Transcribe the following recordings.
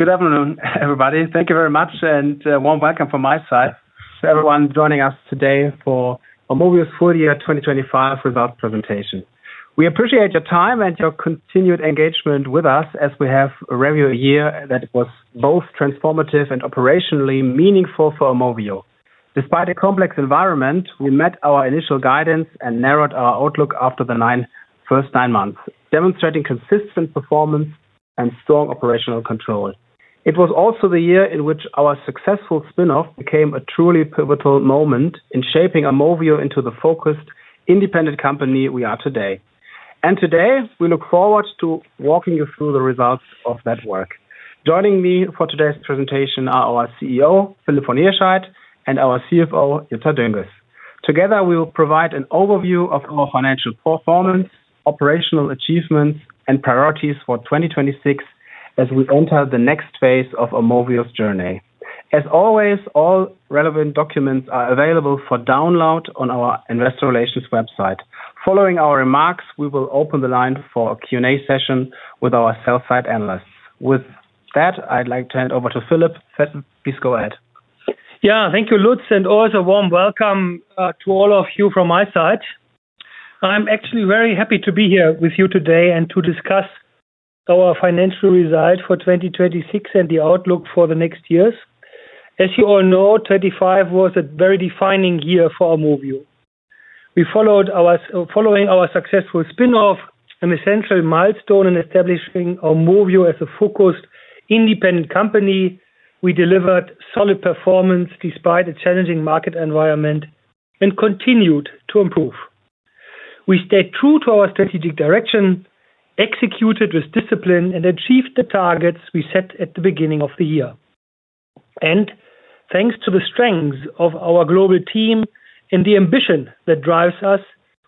Good afternoon, Everybody. Thank you very much and warm welcome from my side to everyone joining us today for Aumovio's full year 2025 results presentation. We appreciate your time and your continued engagement with us as we have reviewed a year that was both transformative and operationally meaningful for Aumovio. Despite a complex environment, we met our initial guidance and narrowed our outlook after the first nine months, demonstrating consistent performance and strong operational control. It was also the year in which our successful spin-off became a truly pivotal moment in shaping Aumovio into the focused, independent company we are today. Today, we look forward to walking you through the results of that work. Joining me for today's presentation are our CEO, Philipp von Hirschheydt, and our CFO, Jutta Dönges. Together, we will provide an overview of our financial performance, operational achievements, and priorities for 2026 as we enter the next phase of Aumovio's journey. As always, all relevant documents are available for download on our investor relations website. Following our remarks, we will open the line for a Q&A session with our sell-side analysts. With that, I'd like to hand over to Philipp. Philipp, please go ahead. Thank you, Lutz, and also warm welcome to all of you from my side. I'm actually very happy to be here with you today and to discuss our financial results for 2026 and the outlook for the next years. As you all know, 2025 was a very defining year for Aumovio. Following our successful spin-off, an essential milestone in establishing Aumovio as a focused, independent company, we delivered solid performance despite a challenging market environment and continued to improve. We stayed true to our strategic direction, executed with discipline, and achieved the targets we set at the beginning of the year. Thanks to the strengths of our global team and the ambition that drives us,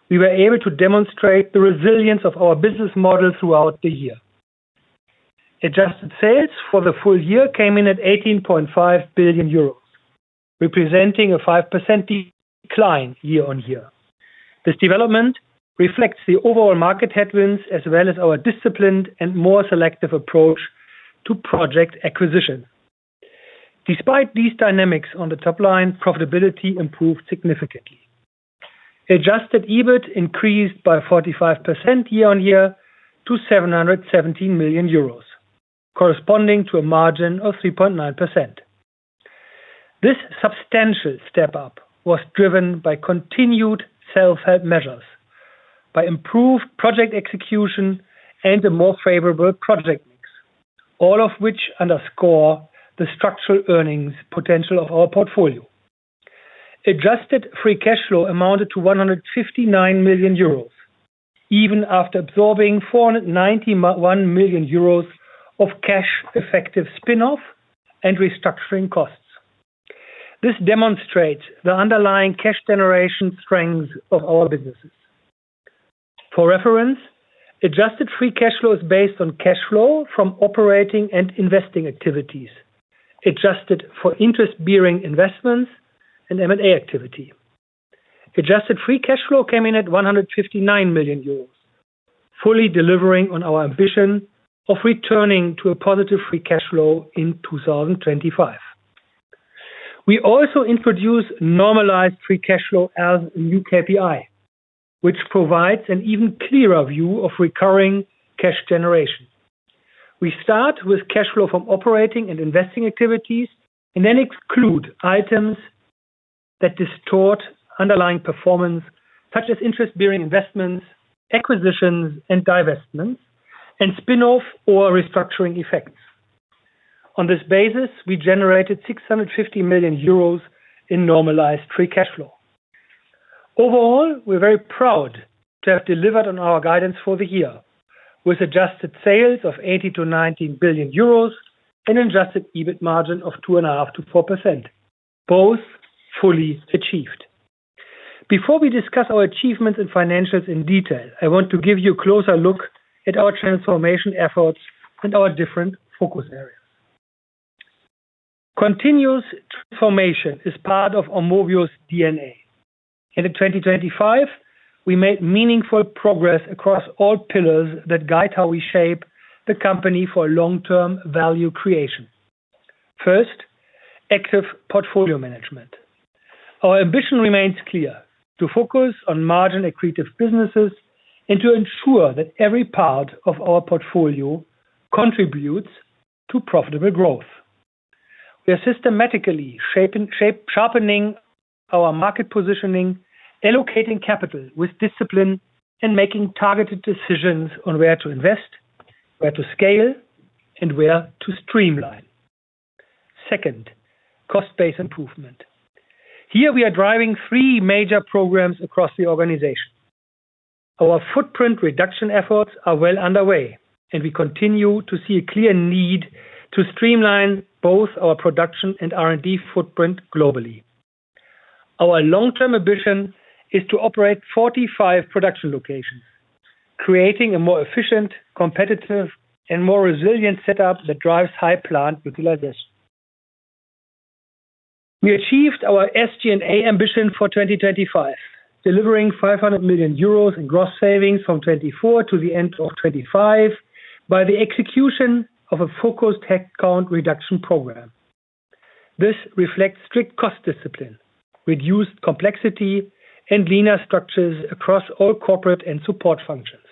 we were able to demonstrate the resilience of our business model throughout the year. Adjusted sales for the full year came in at 18.5 billion euros, representing a 5% decline year-on-year. This development reflects the overall market headwinds as well as our disciplined and more selective approach to project acquisition. Despite these dynamics on the top line, profitability improved significantly. Adjusted EBIT increased by 45% year-on-year to 717 million euros, corresponding to a margin of 3.9%. This substantial step-up was driven by continued self-help measures, by improved project execution and a more favorable project mix, all of which underscore the structural earnings potential of our portfolio. Adjusted free cash flow amounted to 159 million euros, even after absorbing 491 million euros of cash-effective spin-off and restructuring costs. This demonstrates the underlying cash generation strength of our businesses. For reference, adjusted free cash flow is based on cash flow from operating and investing activities, adjusted for interest-bearing investments and M&A activity. Adjusted free cash flow came in at 159 million euros, fully delivering on our ambition of returning to a positive free cash flow in 2025. We also introduced normalized free cash flow as a new KPI, which provides an even clearer view of recurring cash generation. We start with cash flow from operating and investing activities and then exclude items that distort underlying performance, such as interest-bearing investments, acquisitions and divestments, and spin-off or restructuring effects. On this basis, we generated 650 million euros in normalized free cash flow. Overall, we're very proud to have delivered on our guidance for the year, with adjusted sales of 80 billion-90 billion euros and adjusted EBIT margin of 2.5%-4%, both fully achieved. Before we discuss our achievements and financials in detail, I want to give you a closer look at our transformation efforts and our different focus areas. Continuous transformation is part of Aumovio's DNA. In 2025, we made meaningful progress across all pillars that guide how we shape the company for long-term value creation. First, active portfolio management. Our ambition remains clear, to focus on margin-accretive businesses and to ensure that every part of our portfolio contributes to profitable growth. We are systematically sharpening our market positioning, allocating capital with discipline, and making targeted decisions on where to invest, where to scale, and where to streamline. Second, cost-based improvement. Here we are driving three major programs across the organization. Our footprint reduction efforts are well underway, and we continue to see a clear need to streamline both our production and R&D footprint globally. Our long-term ambition is to operate 45 production locations, creating a more efficient, competitive, and more resilient setup that drives high plant utilization. We achieved our SG&A ambition for 2025, delivering 500 million euros in gross savings from 2024 to the end of 2025 by the execution of a focused headcount reduction program. This reflects strict cost discipline, reduced complexity, and leaner structures across all corporate and support functions.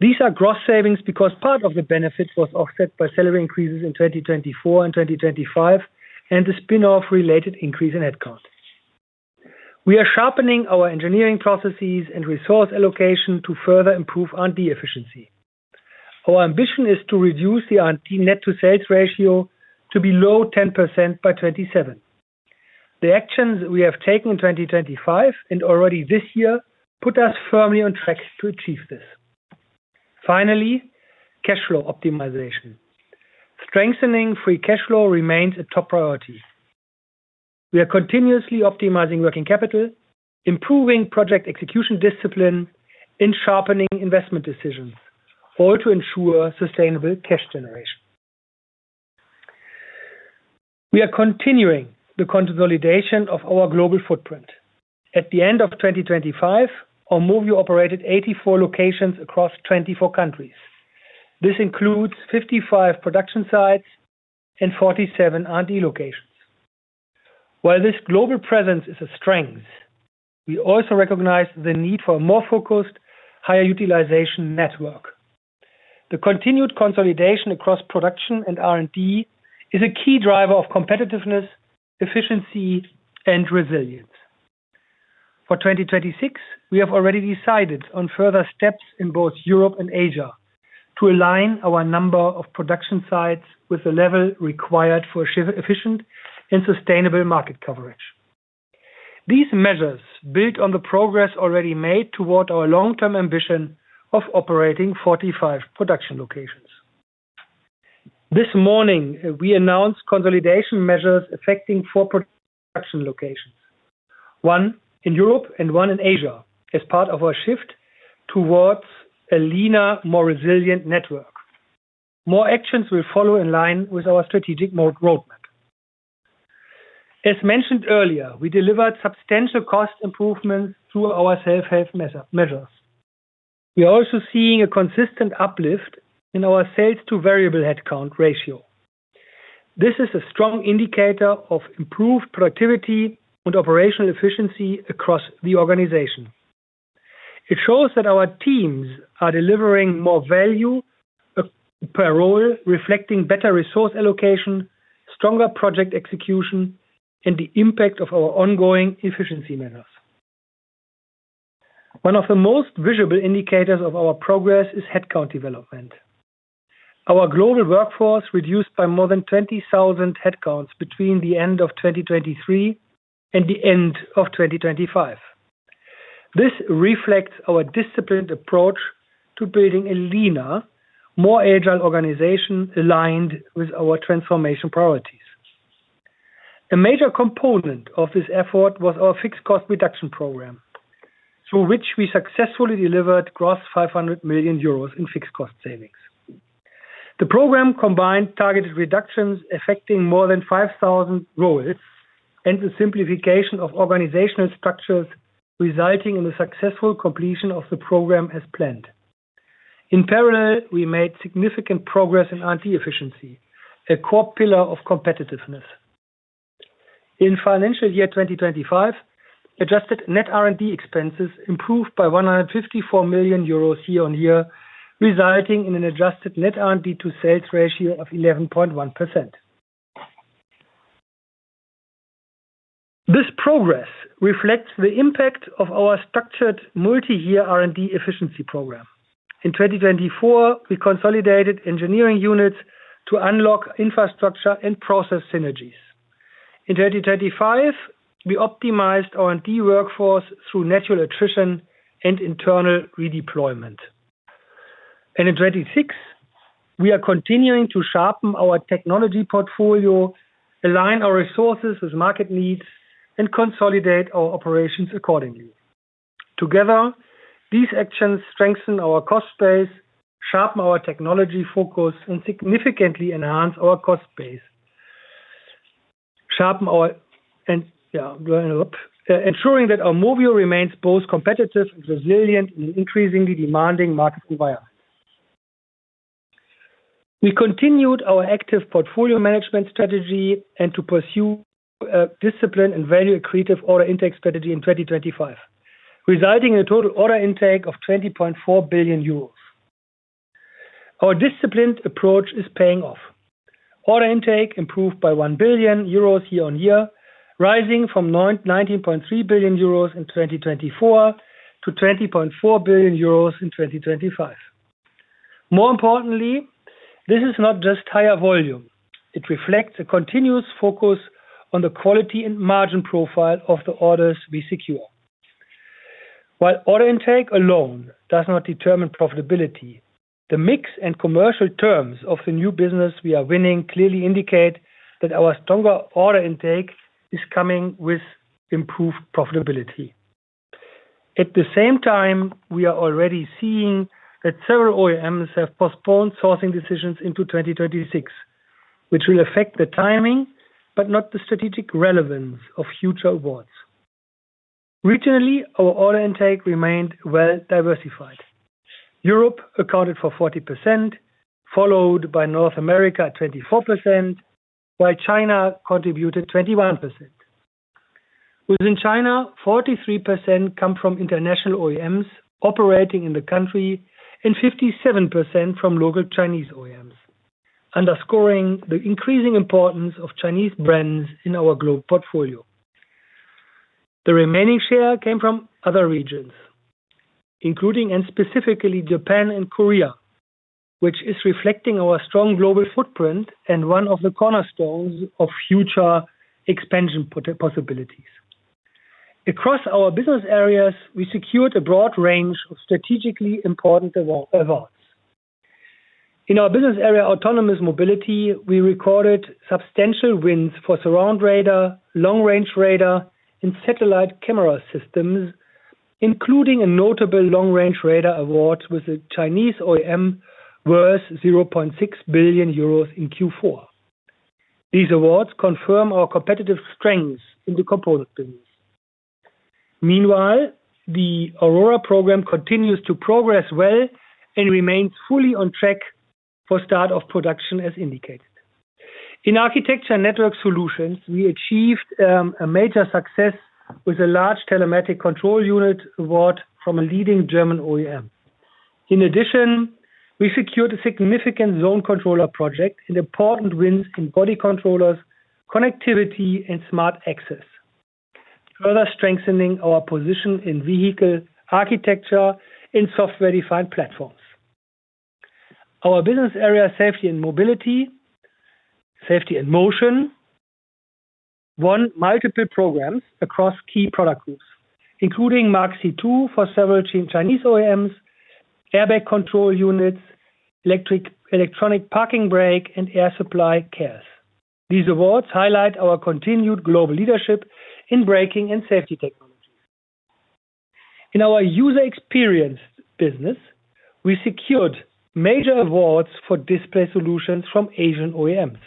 These are gross savings because part of the benefit was offset by salary increases in 2024 and 2025 and the spin-off related increase in headcount. We are sharpening our engineering processes and resource allocation to further improve R&D efficiency. Our ambition is to reduce the R&D net to sales ratio to below 10% by 2027. The actions we have taken in 2025 and already this year put us firmly on track to achieve this. Finally, cash flow optimization. Strengthening free cash flow remains a top priority. We are continuously optimizing working capital, improving project execution discipline, and sharpening investment decisions, all to ensure sustainable cash generation. We are continuing the consolidation of our global footprint. At the end of 2025, Aumovio operated 84 locations across 24 countries. This includes 55 production sites and 47 R&D locations. While this global presence is a strength, we also recognize the need for a more focused, higher utilization network. The continued consolidation across production and R&D is a key driver of competitiveness, efficiency, and resilience. For 2026, we have already decided on further steps in both Europe and Asia to align our number of production sites with the level required for efficient and sustainable market coverage. These measures build on the progress already made toward our long-term ambition of operating 45 production locations. This morning, we announced consolidation measures affecting 4 production locations, 1 in Europe and 1 in Asia, as part of our shift towards a leaner, more resilient network. More actions will follow in line with our strategic roadmap. As mentioned earlier, we delivered substantial cost improvements through our self-help measures. We are also seeing a consistent uplift in our sales to variable headcount ratio. This is a strong indicator of improved productivity and operational efficiency across the organization. It shows that our teams are delivering more value per role, reflecting better resource allocation, stronger project execution, and the impact of our ongoing efficiency measures. One of the most visible indicators of our progress is headcount development. Our global workforce reduced by more than 20,000 headcounts between the end of 2023 and the end of 2025. This reflects our disciplined approach to building a leaner, more agile organization aligned with our transformation priorities. A major component of this effort was our fixed cost reduction program, through which we successfully delivered gross 500 million euros in fixed cost savings. The program combined targeted reductions affecting more than 5,000 roles and the simplification of organizational structures, resulting in the successful completion of the program as planned. In parallel, we made significant progress in R&D efficiency, a core pillar of competitiveness. In financial year 2025, adjusted net R&D expenses improved by 154 million euros year-over-year, resulting in an adjusted net R&D to sales ratio of 11.1%. This progress reflects the impact of our structured multi-year R&D efficiency program. In 2024, we consolidated engineering units to unlock infrastructure and process synergies. In 2025, We optimized R&D workforce through natural attrition and internal redeployment. In 2026, we are continuing to sharpen our technology portfolio, Align our resources with market needs, and consolidate our operations accordingly. Together, These actions strengthen our cost base sharpen our technology focus, and significantly enhance our cost base ensuring that Aumovio remains both competitive and resilient in an increasingly demanding market environment. We continued our active portfolio management strategy and to pursue a disciplined and value-accretive order intake strategy in 2025, resulting in a total order intake of 20.4 billion euros. Our disciplined approach is paying off. Order intake improved by 1 billion euros year on year, rising from 19.3 billion euros in 2024 to 20.4 billion euros in 2025. More importantly, this is not just higher volume. It reflects a continuous focus on the quality and margin profile of the orders we secure. While order intake alone does not determine profitability, the mix and commercial terms of the new business we are winning clearly indicate that our stronger order intake is coming with improved profitability. At the same time, we are already seeing that several OEMs have postponed sourcing decisions into 2026, which will affect the timing but not the strategic relevance of future awards. Regionally, our order intake remained well-diversified. Europe accounted for 40%, followed by North America at 24%, while China contributed 21%. Within China, 43% come from international OEMs operating in the country and 57% from local Chinese OEMs, underscoring the increasing importance of Chinese brands in our global portfolio. The remaining share came from other regions, including and specifically Japan and Korea, which is reflecting our strong global footprint and one of the cornerstones of future expansion possibilities. Across our business areas, we secured a broad range of strategically important awards. In our business area, Autonomous Mobility, we recorded substantial wins for surround radar, Long-Range Radar, and surround view camera systems, including a notable Long-Range Radar award with a Chinese OEM worth 0.6 billion euros in Q4. These awards confirm our competitive strengths in the component business. Meanwhile, the Aurora program continues to progress well and remains fully on track for start of production as indicated. In Architecture and Network Solutions, we achieved a major success with a large Telematic Control Unit award from a leading German OEM. In addition, we secured a significant Zone Controller project and important wins in Body Controllers, connectivity, and Smart Access, further strengthening our position in vehicle architecture and software-defined platforms. Our business area, Safety and Motion, won multiple programs across key product groups, including MK C2 for several Chinese OEMs, airbag control units, electric parking brake, and air supply unit. These awards highlight our continued global leadership in braking and safety technologies. In our User Experience business, we secured major awards for display solutions from Asian OEMs.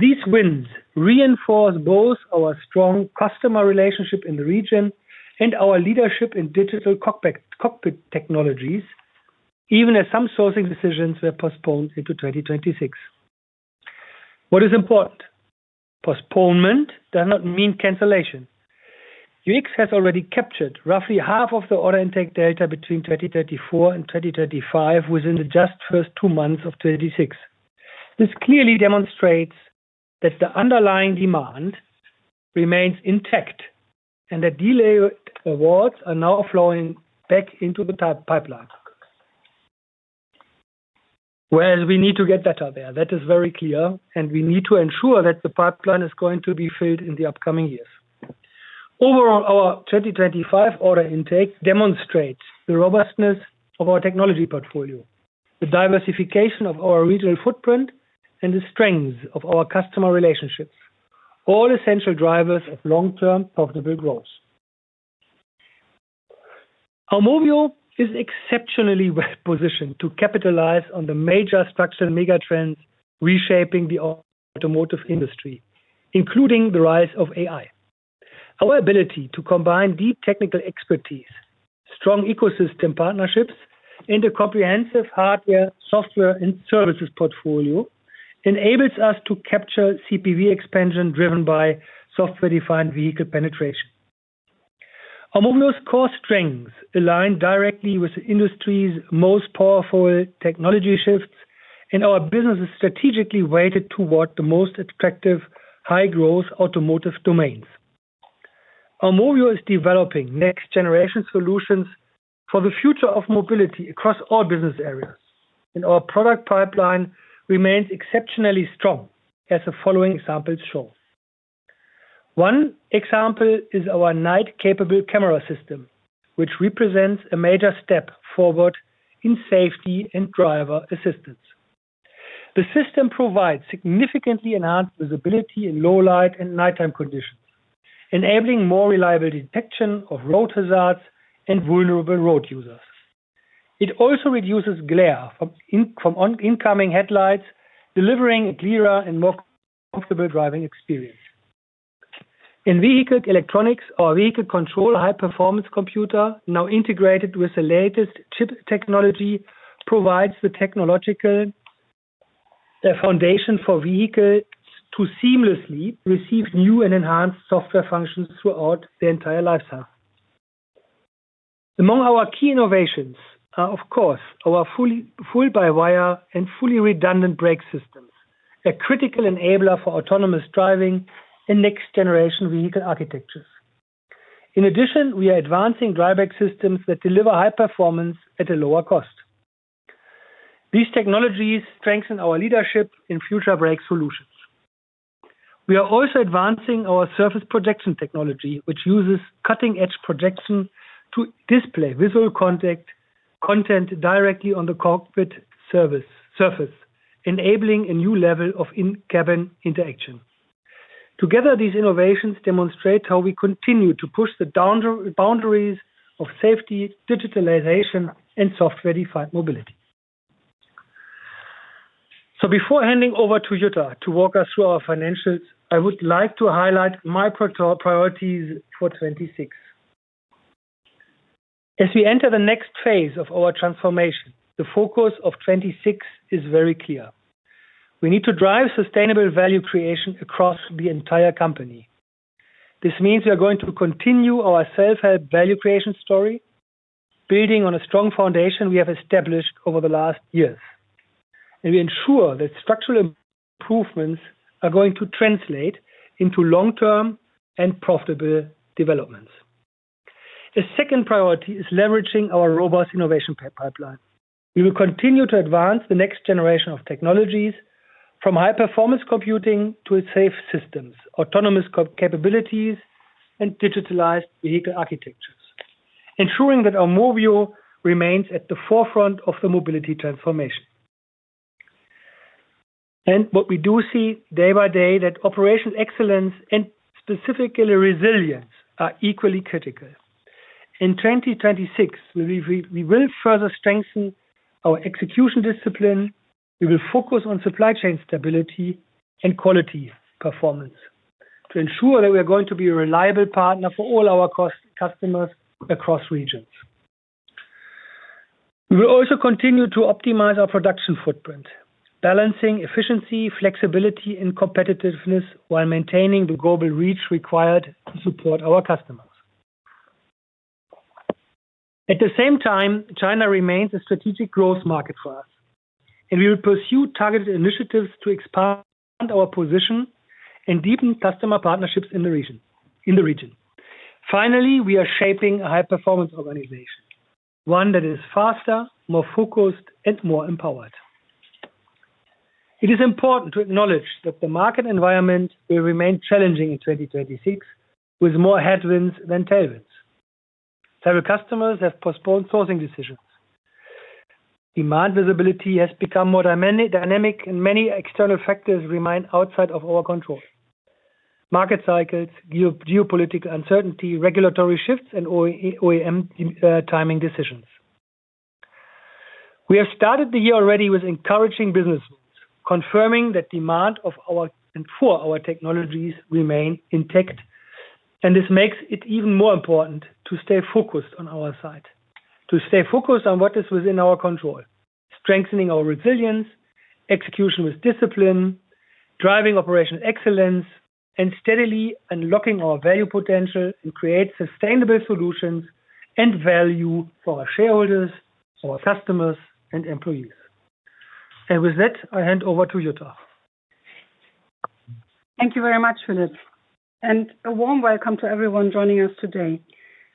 These wins reinforce both our strong customer relationship in the region and our leadership in digital cockpit technologies, even as some sourcing decisions were postponed into 2026. What is important? Postponement does not mean cancellation. UX has already captured roughly half of the order intake data between 2034 and 2035 within the just first two months of 2036. This clearly demonstrates that the underlying demand remains intact and that delayed awards are now flowing back into the pipeline. Well, we need to get better there. That is very clear, and we need to ensure that the pipeline is going to be filled in the upcoming years. Overall, our 2025 order intake demonstrates the robustness of our technology portfolio, the diversification of our regional footprint, and the strength of our customer relationships, all essential drivers of long-term profitable growth. Aumovio is exceptionally well-positioned to capitalize on the major structural mega trends reshaping the automotive industry, including the rise of AI. Our ability to combine deep technical expertise, strong ecosystem partnerships, and a comprehensive hardware, software, and services portfolio enables us to capture CPV expansion driven by software-defined vehicle penetration. Aumovio's core strengths align directly with the industry's most powerful technology shifts, and our business is strategically weighted toward the most attractive high-growth automotive domains. Aumovio is developing next-generation solutions for the future of mobility across all business areas and our product pipeline remains exceptionally strong, as the following examples show. One example is our Night-Capable Camera System, which represents a major step forward in safety and driver assistance. The system provides significantly enhanced visibility in low light and nighttime conditions, enabling more reliable detection of road hazards and vulnerable road users. It also reduces glare from oncoming headlights, delivering a clearer and more comfortable driving experience. In vehicle electronics, our Vehicle Control High-Performance Computer, now integrated with the latest chip technology, provides the technological foundation for vehicles to seamlessly receive new and enhanced software functions throughout their entire lifetime. Among our key innovations are, of course, our fully by-wire and fully redundant brake systems, a critical enabler for autonomous driving and next-generation vehicle architectures. In addition, we're advancing dry brake systems that deliver high performance at a lower cost. These technologies strengthen our leadership in future brake solutions. We are also advancing our Surface Projection technology, which uses cutting-edge projection to display visual content directly on the cockpit surface, enabling a new level of in-cabin interaction. Together, these innovations demonstrate how we continue to push the boundaries of safety, digitalization, and software-defined mobility. Before handing over to Jutta to walk us through our financials, I would like to highlight my priorities for 2026. As we enter the next phase of our transformation, the focus of 2026 is very clear. We need to drive sustainable value creation across the entire company. This means we are going to continue our self-help value creation story, building on a strong foundation we have established over the last years, and ensure that structural improvements are going to translate into long-term and profitable developments. The second priority is leveraging our robust innovation pipeline. We will continue to advance the next generation of technologies from high-performance computing to safe systems, autonomous capabilities, and digitalized vehicle architectures, ensuring that Aumovio remains at the forefront of the mobility transformation. What we do see day by day, that operational excellence and specifically resilience are equally critical. In 2026, we will further strengthen our execution discipline. We will focus on supply chain stability and quality performance to ensure that we are going to be a reliable partner for all our customers across regions. We will also continue to optimize our production footprint, balancing efficiency, flexibility, and competitiveness while maintaining the global reach required to support our customers. At the same time, China remains a strategic growth market for us, and we will pursue targeted initiatives to expand our position and deepen customer partnerships in the region. Finally, we are shaping a high-performance organization, one that is faster, more focused, and more empowered. It is important to acknowledge that the market environment will remain challenging in 2026, with more headwinds than tailwinds. Several customers have postponed sourcing decisions. Demand visibility has become more dynamic, and many external factors remain outside of our control. Market cycles, geopolitical uncertainty, regulatory shifts, and OEM timing decisions. We have started the year already with encouraging business results, confirming that demand for our technologies remain intact, and this makes it even more important to stay focused on our side, to stay focused on what is within our control, strengthening our resilience, execution with discipline, driving operational excellence, and steadily unlocking our value potential and create sustainable solutions and value for our shareholders for our customers, and employees. With that, I hand over to Jutta. Thank you very much, Philipp. A warm welcome to everyone joining us today.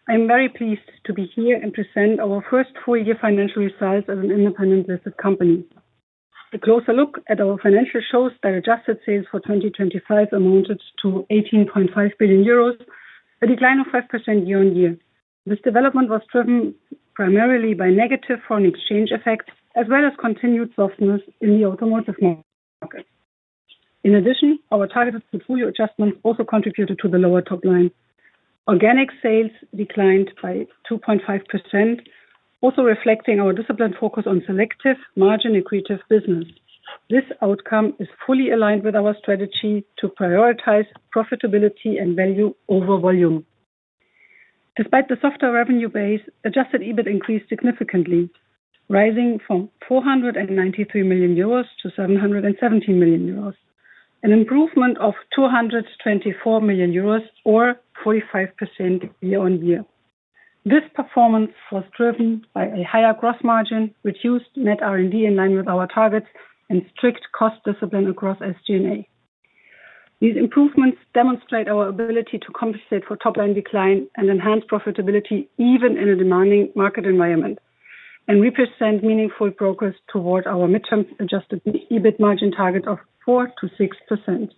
I'm very pleased to be here and present our first full year financial results as an independent listed company. A closer look at our financials shows that adjusted sales for 2025 amounted to 18.5 billion euros, a decline of 5% year-on-year. This development was driven primarily by negative foreign exchange effects, as well as continued softness in the automotive market. In addition, our targeted portfolio adjustments also contributed to the lower top line. Organic sales declined by 2.5%, also reflecting our disciplined focus on selective margin accretive business. This outcome is fully aligned with our strategy to prioritize profitability and value over volume. Despite the softer revenue base, adjusted EBIT increased significantly, rising from 493 million euros to 770 million euros, an improvement of 224 million euros or 45% year-over-year. This performance was driven by a higher gross margin, reduced net R&D in line with our targets, and strict cost discipline across SG&A. These improvements demonstrate our ability to compensate for top-line decline and enhance profitability even in a demanding market environment, and represent meaningful progress toward our midterm adjusted EBIT margin target of 4%-6%.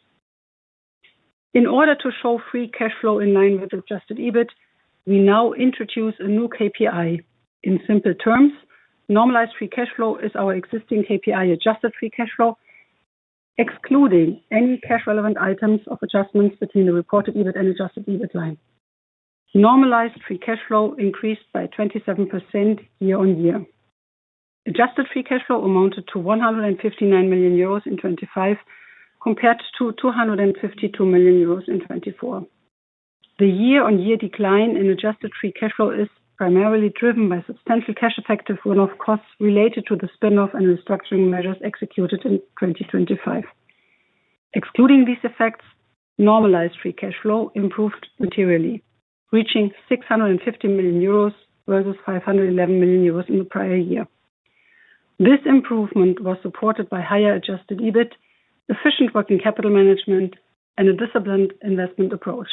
In order to show free cash flow in line with adjusted EBIT, we now introduce a new KPI. In simple terms, normalized free cash flow is our existing KPI adjusted free cash flow, excluding any cash relevant items of adjustments between the reported EBIT and adjusted EBIT line. Normalized free cash flow increased by 27% year-on-year. Adjusted free cash flow amounted to 159 million euros in 2025, compared to 252 million euros in 2024. The year-on-year decline in adjusted free cash flow is primarily driven by substantial cash effective runoff costs related to the spin-off and restructuring measures executed in 2025. Excluding these effects, normalized free cash flow improved materially, reaching 650 million euros versus 511 million euros in the prior year. This improvement was supported by higher adjusted EBIT, efficient working capital management, and a disciplined investment approach.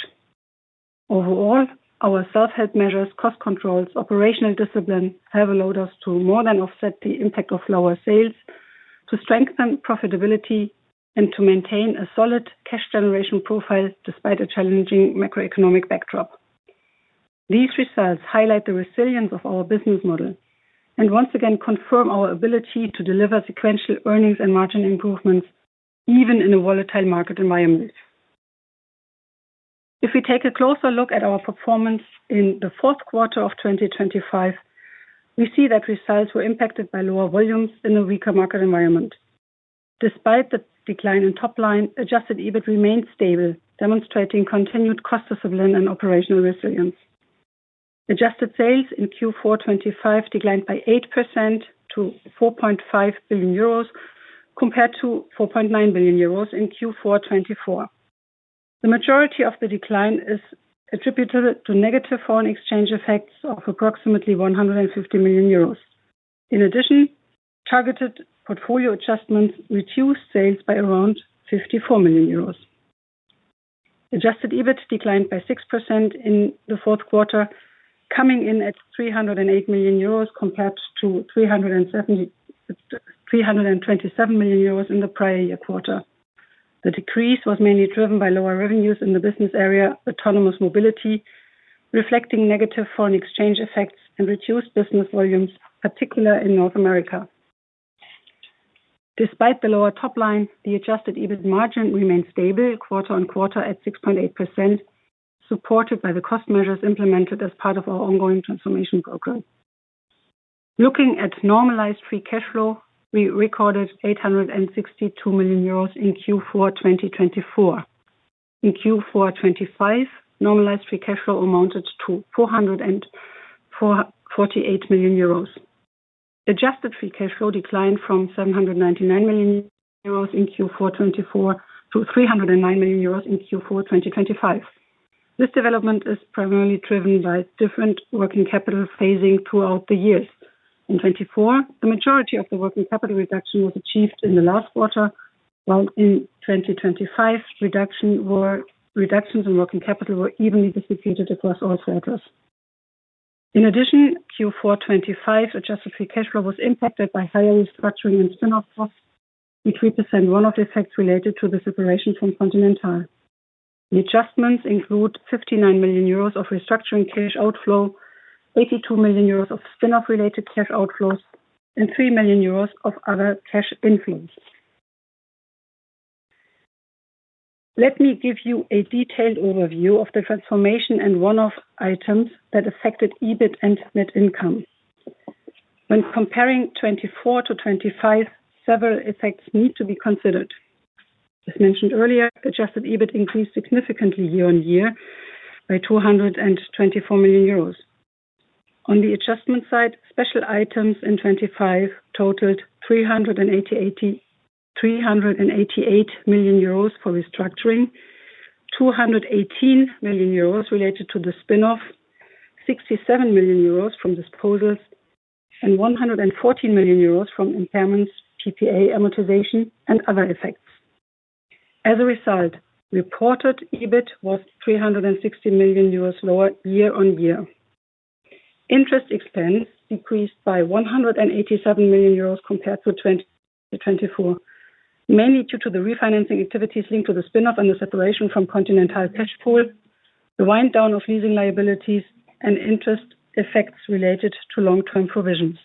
Overall, our self-help measures, cost controls, operational discipline have allowed us to more than offset the impact of lower sales, to strengthen profitability, and to maintain a solid cash generation profile despite a challenging macroeconomic backdrop. These results highlight the resilience of our business model and once again confirm our ability to deliver sequential earnings and margin improvements even in a volatile market environment. If we take a closer look at our performance in the fourth quarter of 2025, we see that results were impacted by lower volumes in a weaker market environment. Despite the decline in top line, adjusted EBIT remained stable, demonstrating continued cost discipline and operational resilience. Adjusted sales in Q4 2025 declined by 8% to 4.5 billion euros compared to 4.9 billion euros in Q4 2024. The majority of the decline is attributed to negative foreign exchange effects of approximately 150 million euros. In addition, targeted portfolio adjustments reduced sales by around 54 million euros. Adjusted EBIT declined by 6% in the fourth quarter, coming in at 308 million euros compared to 327 million euros in the prior year quarter. The decrease was mainly driven by lower revenues in the business area, Autonomous Mobility, reflecting negative foreign exchange effects and reduced business volumes, particularly in North America. Despite the lower top line, the adjusted EBIT margin remained stable quarter-on-quarter at 6.8%, supported by the cost measures implemented as part of our ongoing transformation program. Looking at normalized free cash flow, we recorded 862 million euros in Q4 2024. In Q4 2025, normalized free cash flow amounted to 448 million euros. Adjusted free cash flow declined from 799 million euros in Q4 2024 to 309 million euros in Q4 2025. This development is primarily driven by different working capital phasing throughout the years. In 2024, the majority of the working capital reduction was achieved in the last quarter, while in 2025, reductions in working capital were evenly distributed across all quarters. In addition, Q4 2025, adjusted free cash flow was impacted by higher restructuring and spin-off costs, which represent one of the effects related to the separation from Continental. The adjustments include 59 million euros of restructuring cash outflow, 82 million euros of spin-off related cash outflows, and 3 million euros of other cash inflows. Let me give you a detailed overview of the transformation and one-off items that affected EBIT and net income. When comparing 2024 to 2025, several effects need to be considered. As mentioned earlier, adjusted EBIT increased significantly year-on-year by 224 million euros. On the adjustment side, special items in 2025 totaled 388 million euros for restructuring, 218 million euros related to the spin-off, 67 million euros from disposals, and 114 million euros from impairments, PPA amortization, and other effects. As a result, reported EBIT was 360 million euros lower year-on-year. Interest expense increased by 187 million euros compared to 2024, mainly due to the refinancing activities linked to the spin-off and the separation from Continental cash pool, the wind down of leasing liabilities, and interest effects related to long-term provisions.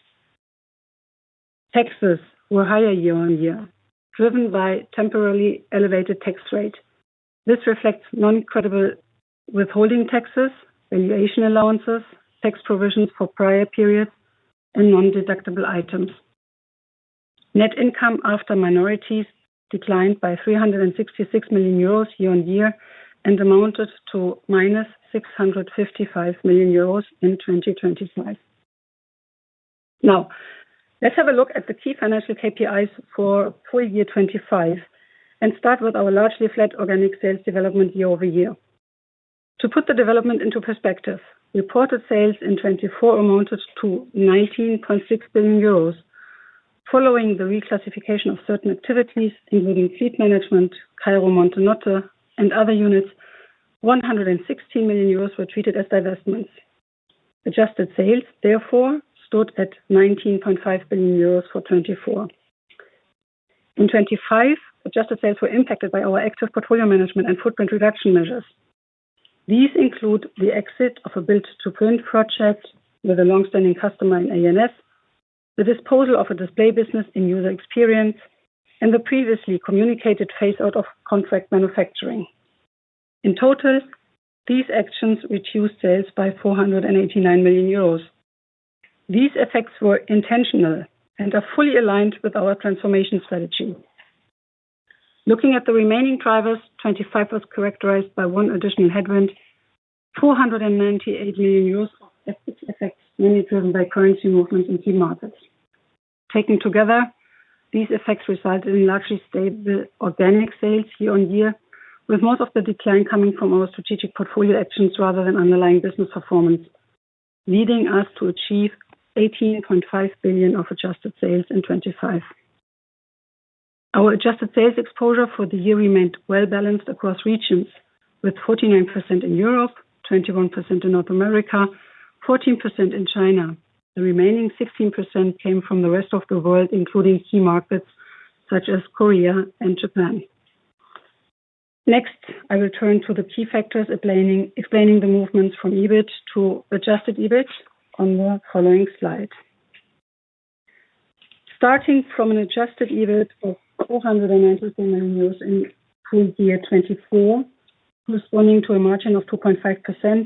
Taxes were higher year-on-year, driven by temporarily elevated tax rate. This reflects non-creditable withholding taxes, valuation allowances, tax provisions for prior periods, and non-deductible items. Net income after minorities declined by 366 million euros year-on-year and amounted to minus 655 million euros in 2025. Now, let's have a look at the key financial KPIs for full year 2025 and start with our largely flat organic sales development year-over-year. To put the development into perspective, reported sales in 2024 amounted to 19.6 billion euros following the reclassification of certain activities, including fleet management, Cairo Montenotte, and other units. 160 million euros were treated as divestments. Adjusted sales, therefore, stood at 19.5 billion euros for 2024. In 2025, adjusted sales were impacted by our active portfolio management and footprint reduction measures. These include the exit of a build-to-print project with a long-standing customer in ANS, the disposal of a display business in User Experience, and the previously communicated phase out of contract manufacturing. In total, these actions reduced sales by 489 million euros. These effects were intentional and are fully aligned with our transformation strategy. Looking at the remaining drivers, 2025 was characterized by one additional headwind, 498 million euros of FX effects, mainly driven by currency movements in key markets. Taken together, these effects resulted in largely stable organic sales year-on-year, with most of the decline coming from our strategic portfolio actions rather than underlying business performance, leading us to achieve 18.5 billion of adjusted sales in 2025. Our adjusted sales exposure for the year remained well balanced across regions, with 49% in Europe, 21% in North America, 14% in China. The remaining 16% came from the rest of the world, including key markets such as Korea and Japan. Next, I will turn to the key factors explaining the movement from EBIT to adjusted EBIT on the following slide. Starting from an adjusted EBIT of 490 million euros in full year 2024, corresponding to a margin of 2.5%,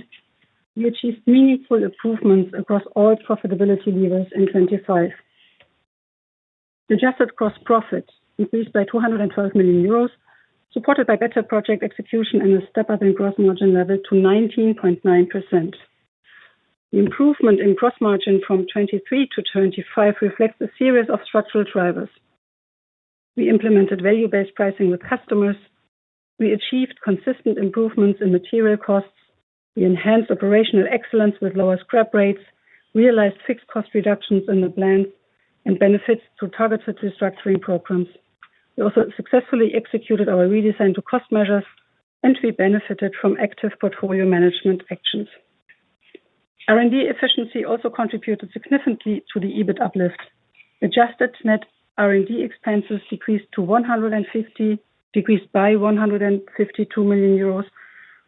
we achieved meaningful improvements across all profitability levers in 2025. Adjusted gross profit increased by 212 million euros, supported by better project execution and a step up in gross margin level to 19.9%. The improvement in gross margin from 2023 to 2025 reflects a series of structural drivers. We implemented value-based pricing with customers. We achieved consistent improvements in material costs. We enhanced operational excellence with lower scrap rates, realized fixed cost reductions in the plants, and benefits through targeted restructuring programs. We also successfully executed our redesign-to-cost measures and we benefited from active portfolio management actions. R&D efficiency also contributed significantly to the EBIT uplift. Adjusted net R&D expenses decreased by 152 million euros,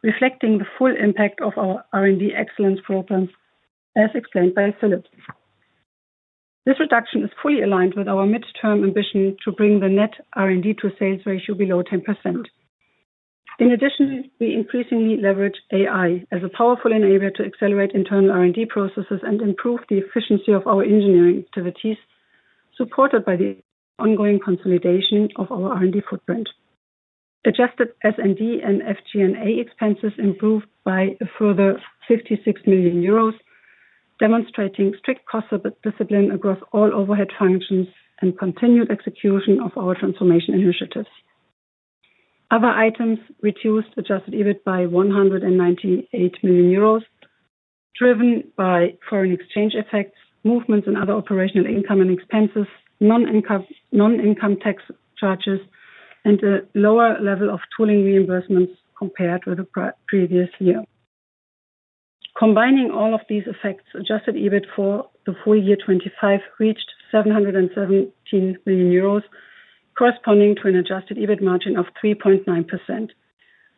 reflecting the full impact of our R&D excellence programs, as explained by Philipp. This reduction is fully aligned with our midterm ambition to bring the net R&D to sales ratio below 10%. In addition, we increasingly leverage AI as a powerful enabler to accelerate internal R&D processes and improve the efficiency of our engineering activities, supported by the ongoing consolidation of our R&D footprint. Adjusted SG&A expenses improved by a further 56 million euros, demonstrating strict cost discipline across all overhead functions and continued execution of our transformation initiatives. Other items reduced adjusted EBIT by 198 million euros, driven by foreign exchange effects, movements in other operational income and expenses, non-income tax charges, and a lower level of tooling reimbursements compared with the previous year. Combining all of these effects, adjusted EBIT for the full year 2025 reached 717 million euros, corresponding to an adjusted EBIT margin of 3.9%.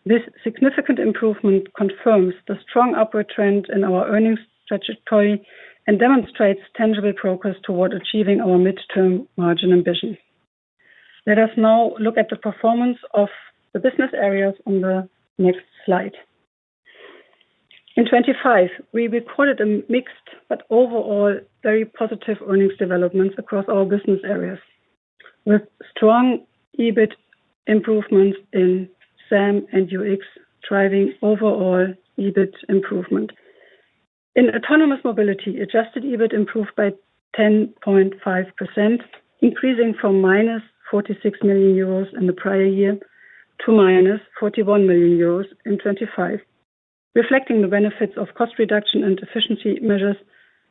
This significant improvement confirms the strong upward trend in our earnings trajectory and demonstrates tangible progress toward achieving our midterm margin ambition. Let us now look at the performance of the business areas on the next slide. In 2025, we recorded a mixed but overall very positive earnings development across all business areas, with strong EBIT improvements in SAM and UX driving overall EBIT improvement. In autonomous mobility, adjusted EBIT improved by 10.5%, increasing from -46 million euros in the prior year to -41 million euros in 2025, reflecting the benefits of cost reduction and efficiency measures,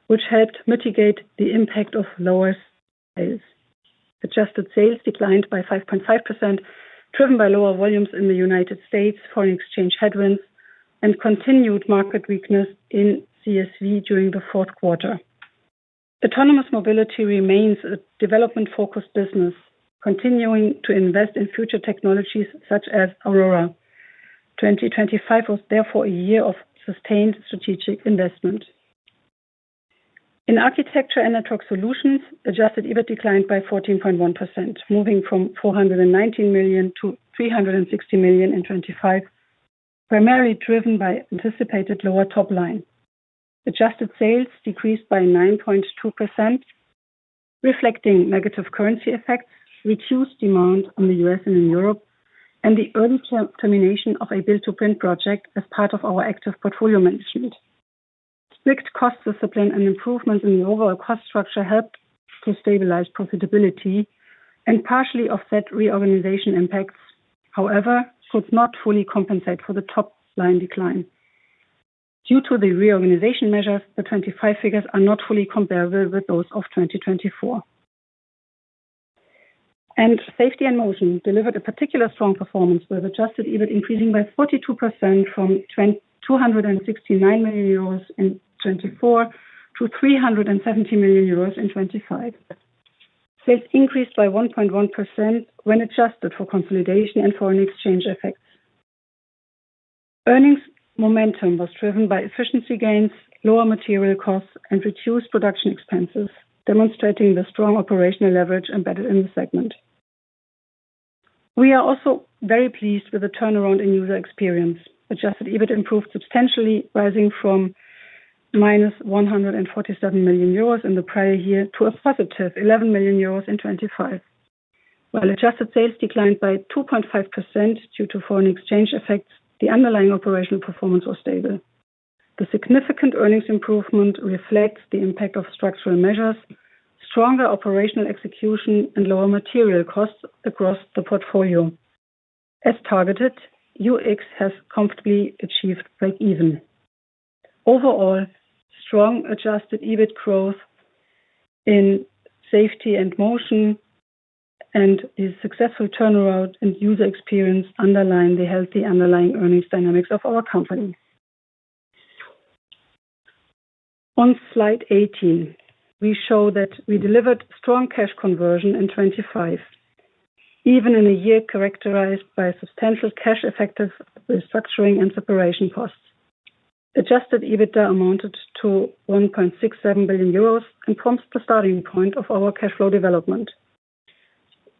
which helped mitigate the impact of lower sales. Adjusted sales declined by 5.5%, driven by lower volumes in the United States, foreign exchange headwinds, and continued market weakness in CVs during the fourth quarter. Autonomous Mobility remains a development-focused business, continuing to invest in future technologies such as Aurora. 2025 was therefore a year of sustained strategic investment. In Architecture and Network Solutions, adjusted EBIT declined by 14.1%, moving from 419 million to 360 million in 2025, primarily driven by anticipated lower top line. Adjusted sales decreased by 9.2%, reflecting negative currency effects, reduced demand on the US and in Europe, and the early termination of a build-to-print project as part of our active portfolio management. Strict cost discipline and improvements in the overall cost structure helped to stabilize profitability and partially offset reorganization impacts, however, could not fully compensate for the top-line decline. Due to the reorganization measures, the 2025 figures are not fully comparable with those of 2024. Safety and Motion delivered a particularly strong performance with adjusted EBIT increasing by 42% from 269 million euros in 2024 to 370 million euros in 2025. Sales increased by 1.1% when adjusted for consolidation and foreign exchange effects. Earnings momentum was driven by efficiency gains, lower material costs, and reduced production expenses, demonstrating the strong operational leverage embedded in the segment. We are also very pleased with the turnaround in User Experience. Adjusted EBIT improved substantially, rising from -147 million euros in the prior year to 11 million euros in 2025. Adjusted sales declined by 2.5% due to foreign exchange effects, while the underlying operational performance was stable. The significant earnings improvement reflects the impact of structural measures, stronger operational execution, and lower material costs across the portfolio. As targeted, UX has comfortably achieved breakeven. Overall, strong adjusted EBIT growth in Safety and Motion and the successful turnaround in user experience underline the healthy underlying earnings dynamics of our company. On slide 18, we show that we delivered strong cash conversion in 2025, even in a year characterized by substantial cash effective restructuring and separation costs. Adjusted EBITDA amounted to 1.67 billion euros and forms the starting point of our cash flow development.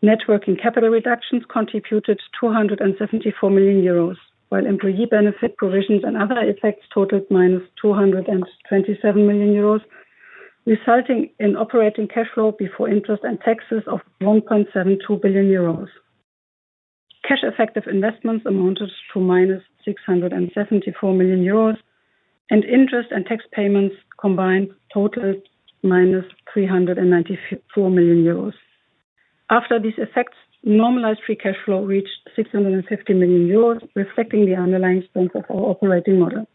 Net working capital reductions contributed 274 million euros, while employee benefit provisions and other effects totaled -227 million euros, resulting in operating cash flow before interest and taxes of 1.72 billion euros. Cash effective investments amounted to -674 million euros, and interest and tax payments combined totaled -394 million euros. After these effects, normalized free cash flow reached 650 million euros, reflecting the underlying strength of our operating model.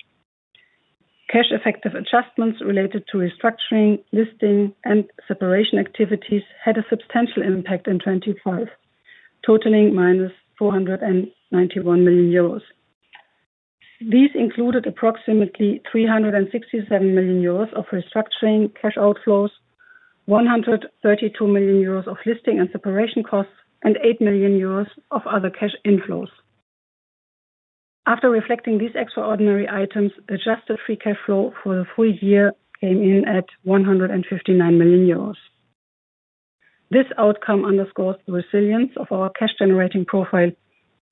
Cash effective adjustments related to restructuring, listing and separation activities had a substantial impact in 2025, totaling -491 million euros. These included approximately 367 million euros of restructuring cash outflows, 132 million euros of listing and separation costs, and 8 million euros of other cash inflows. After reflecting these extraordinary items, adjusted free cash flow for the full year came in at 159 million euros. This outcome underscores the resilience of our cash generating profile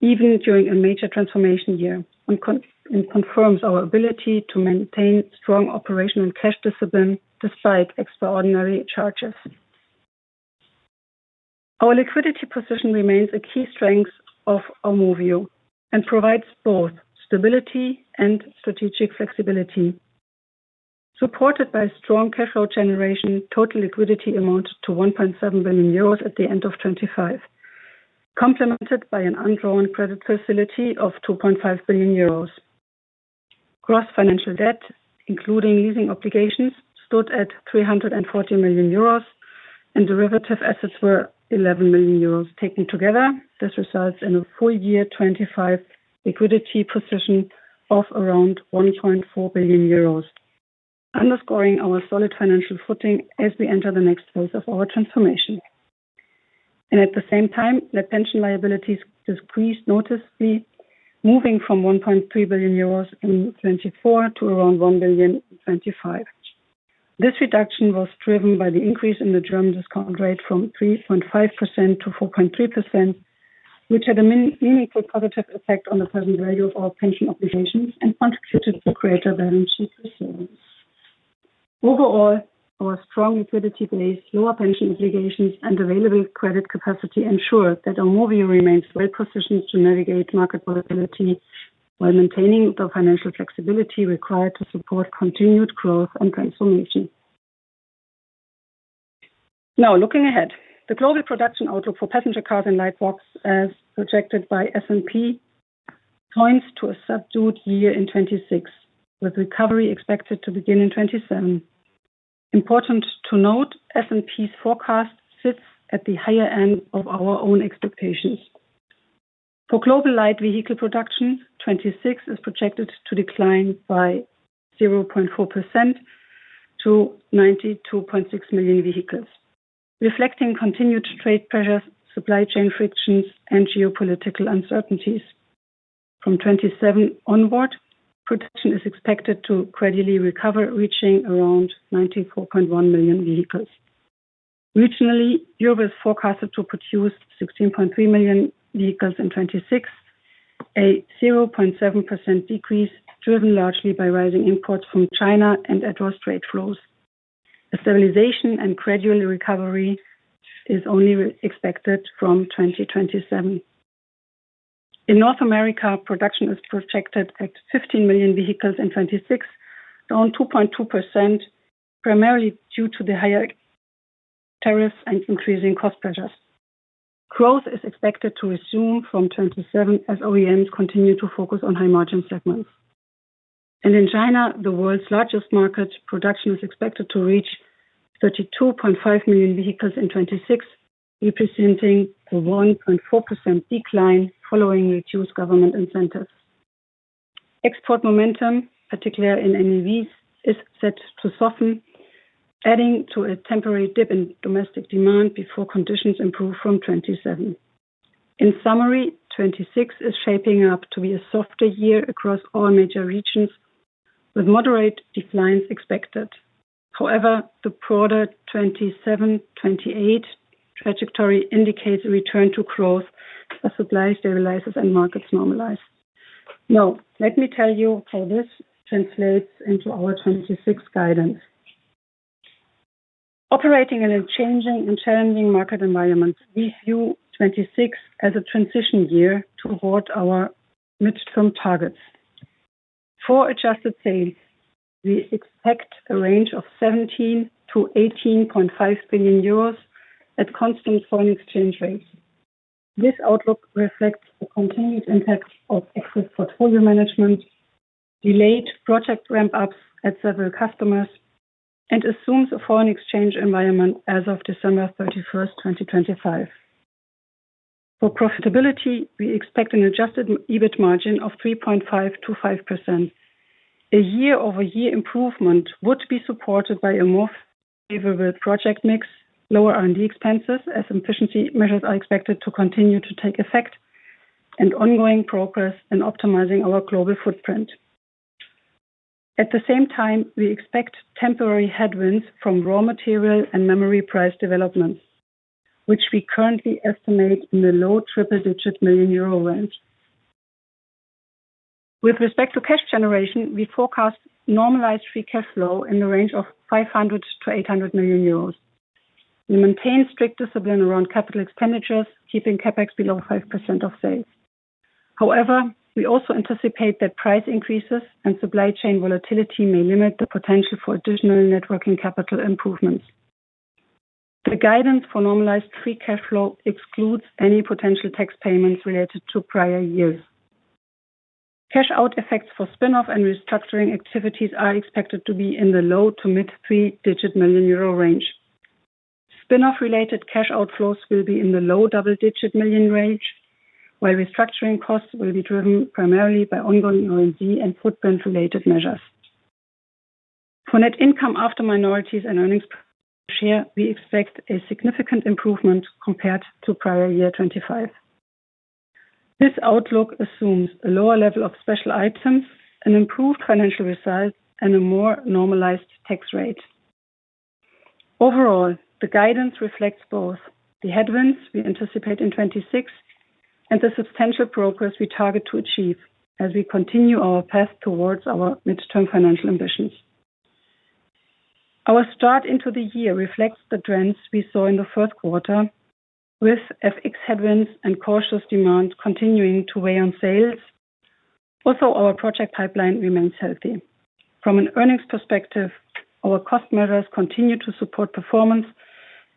even during a major transformation year, and confirms our ability to maintain strong operational cash discipline despite extraordinary charges. Our liquidity position remains a key strength of Aumovio and provides both stability and strategic flexibility. Supported by strong cash flow generation, total liquidity amounted to 1.7 billion euros at the end of 2025, complemented by an undrawn credit facility of 2.5 billion euros. Gross financial debt, including leasing obligations, stood at 340 million euros, and derivative assets were 11 million euros. Taken together, this results in a full year 2025 liquidity position of around 1.4 billion euros, underscoring our solid financial footing as we enter the next phase of our transformation. At the same time, net pension liabilities decreased noticeably, moving from 1.3 billion euros in 2024 to around 1 billion in 2025. This reduction was driven by the increase in the German discount rate from 3.5% to 4.3%, which had a meaningful positive effect on the present value of our pension obligations and contributed to greater balance sheet resilience. Overall, our strong liquidity base, lower pension obligations, and available credit capacity ensure that Aumovio remains well-positioned to navigate market volatility while maintaining the financial flexibility required to support continued growth and transformation. Now, looking ahead. The global production outlook for passenger cars and light vehicles, as projected by S&P, points to a subdued year in 2026, with recovery expected to begin in 2027. Important to note, S&P's forecast sits at the higher end of our own expectations. For global light vehicle production, 2026 is projected to decline by 0.4% to 92.6 million vehicles, reflecting continued trade pressures, supply chain frictions, and geopolitical uncertainties. From 2027 onward, production is expected to gradually recover, reaching around 94.1 million vehicles. Regionally, Europe is forecasted to produce 16.3 million vehicles in 2026, a 0.7% decrease, driven largely by rising imports from China and adverse trade flows. A stabilization and gradual recovery is only expected from 2027. In North America, production is projected at 15 million vehicles in 2026, down 2.2%, primarily due to the higher tariffs and increasing cost pressures. Growth is expected to resume from 2027 as OEMs continue to focus on high-margin segments. In China, the world's largest market, production is expected to reach 32.5 million vehicles in 2026, representing a 1.4% decline following reduced government incentives. Export momentum, particularly in NEVs, is set to soften, adding to a temporary dip in domestic demand before conditions improve from 2027. In summary, 2026 is shaping up to be a softer year across all major regions, with moderate declines expected. However, the broader 2027, 2028 trajectory indicates a return to growth as supply stabilizes and markets normalize. Now, let me tell you how this translates into our 2026 guidance. Operating in a changing and challenging market environment, we view 2026 as a transition year toward our midterm targets. For adjusted sales, we expect a range of 17 billion-18.5 billion euros at constant foreign exchange rates. This outlook reflects the continued impact of exit portfolio management, delayed project ramp-ups at several customers, and assumes a foreign exchange environment as of December 31, 2025. For profitability, we expect an adjusted EBIT margin of 3.5%-5%. A year-over-year improvement would be supported by a more favorable project mix, lower R&D expenses as efficiency measures are expected to continue to take effect, and ongoing progress in optimizing our global footprint. At the same time, we expect temporary headwinds from raw material and memory price developments, which we currently estimate in the low triple-digit million EUR range. With respect to cash generation, we forecast normalized free cash flow in the range of 500 million-800 million euros. We maintain strict discipline around capital expenditures, keeping CapEx below 5% of sales. However, we also anticipate that price increases and supply chain volatility may limit the potential for additional net working capital improvements. The guidance for normalized free cash flow excludes any potential tax payments related to prior years. Cash out effects for spin-off and restructuring activities are expected to be in the low- to mid-three-digit million EUR range. Spin-off related cash outflows will be in the low double-digit million EUR range, while restructuring costs will be driven primarily by ongoing R&D and footprint related measures. For net income after minorities and earnings per share, we expect a significant improvement compared to prior year 2025. This outlook assumes a lower level of special items, an improved financial result, and a more normalized tax rate. Overall, the guidance reflects both the headwinds we anticipate in 2026 and the substantial progress we target to achieve as we continue our path towards our midterm financial ambitions. Our start into the year reflects the trends we saw in the first quarter, with FX headwinds and cautious demand continuing to weigh on sales. Also, our project pipeline remains healthy. From an earnings perspective, our cost measures continue to support performance,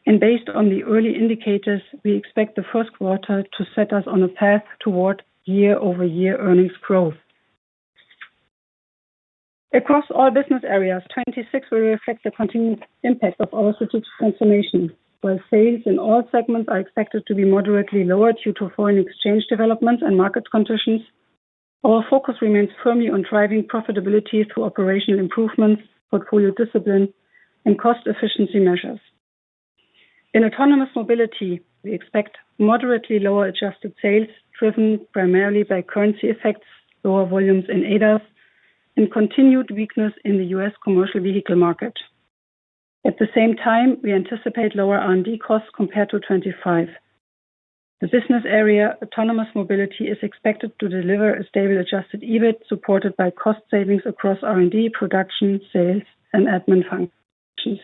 and based on the early indicators, we expect the first quarter to set us on a path toward year-over-year earnings growth. Across all business areas, 2026 will reflect the continued impact of our strategic transformation. While sales in all segments are expected to be moderately lower due to foreign exchange developments and market conditions, our focus remains firmly on driving profitability through operational improvements, portfolio discipline, and cost efficiency measures. In Autonomous Mobility, we expect moderately lower adjusted sales, driven primarily by currency effects, lower volumes in ADAS, and continued weakness in the U.S. commercial vehicle market. At the same time, we anticipate lower R&D costs compared to 2025. The business area Autonomous Mobility is expected to deliver a stable adjusted EBIT supported by cost savings across R&D, production, sales, and admin functions.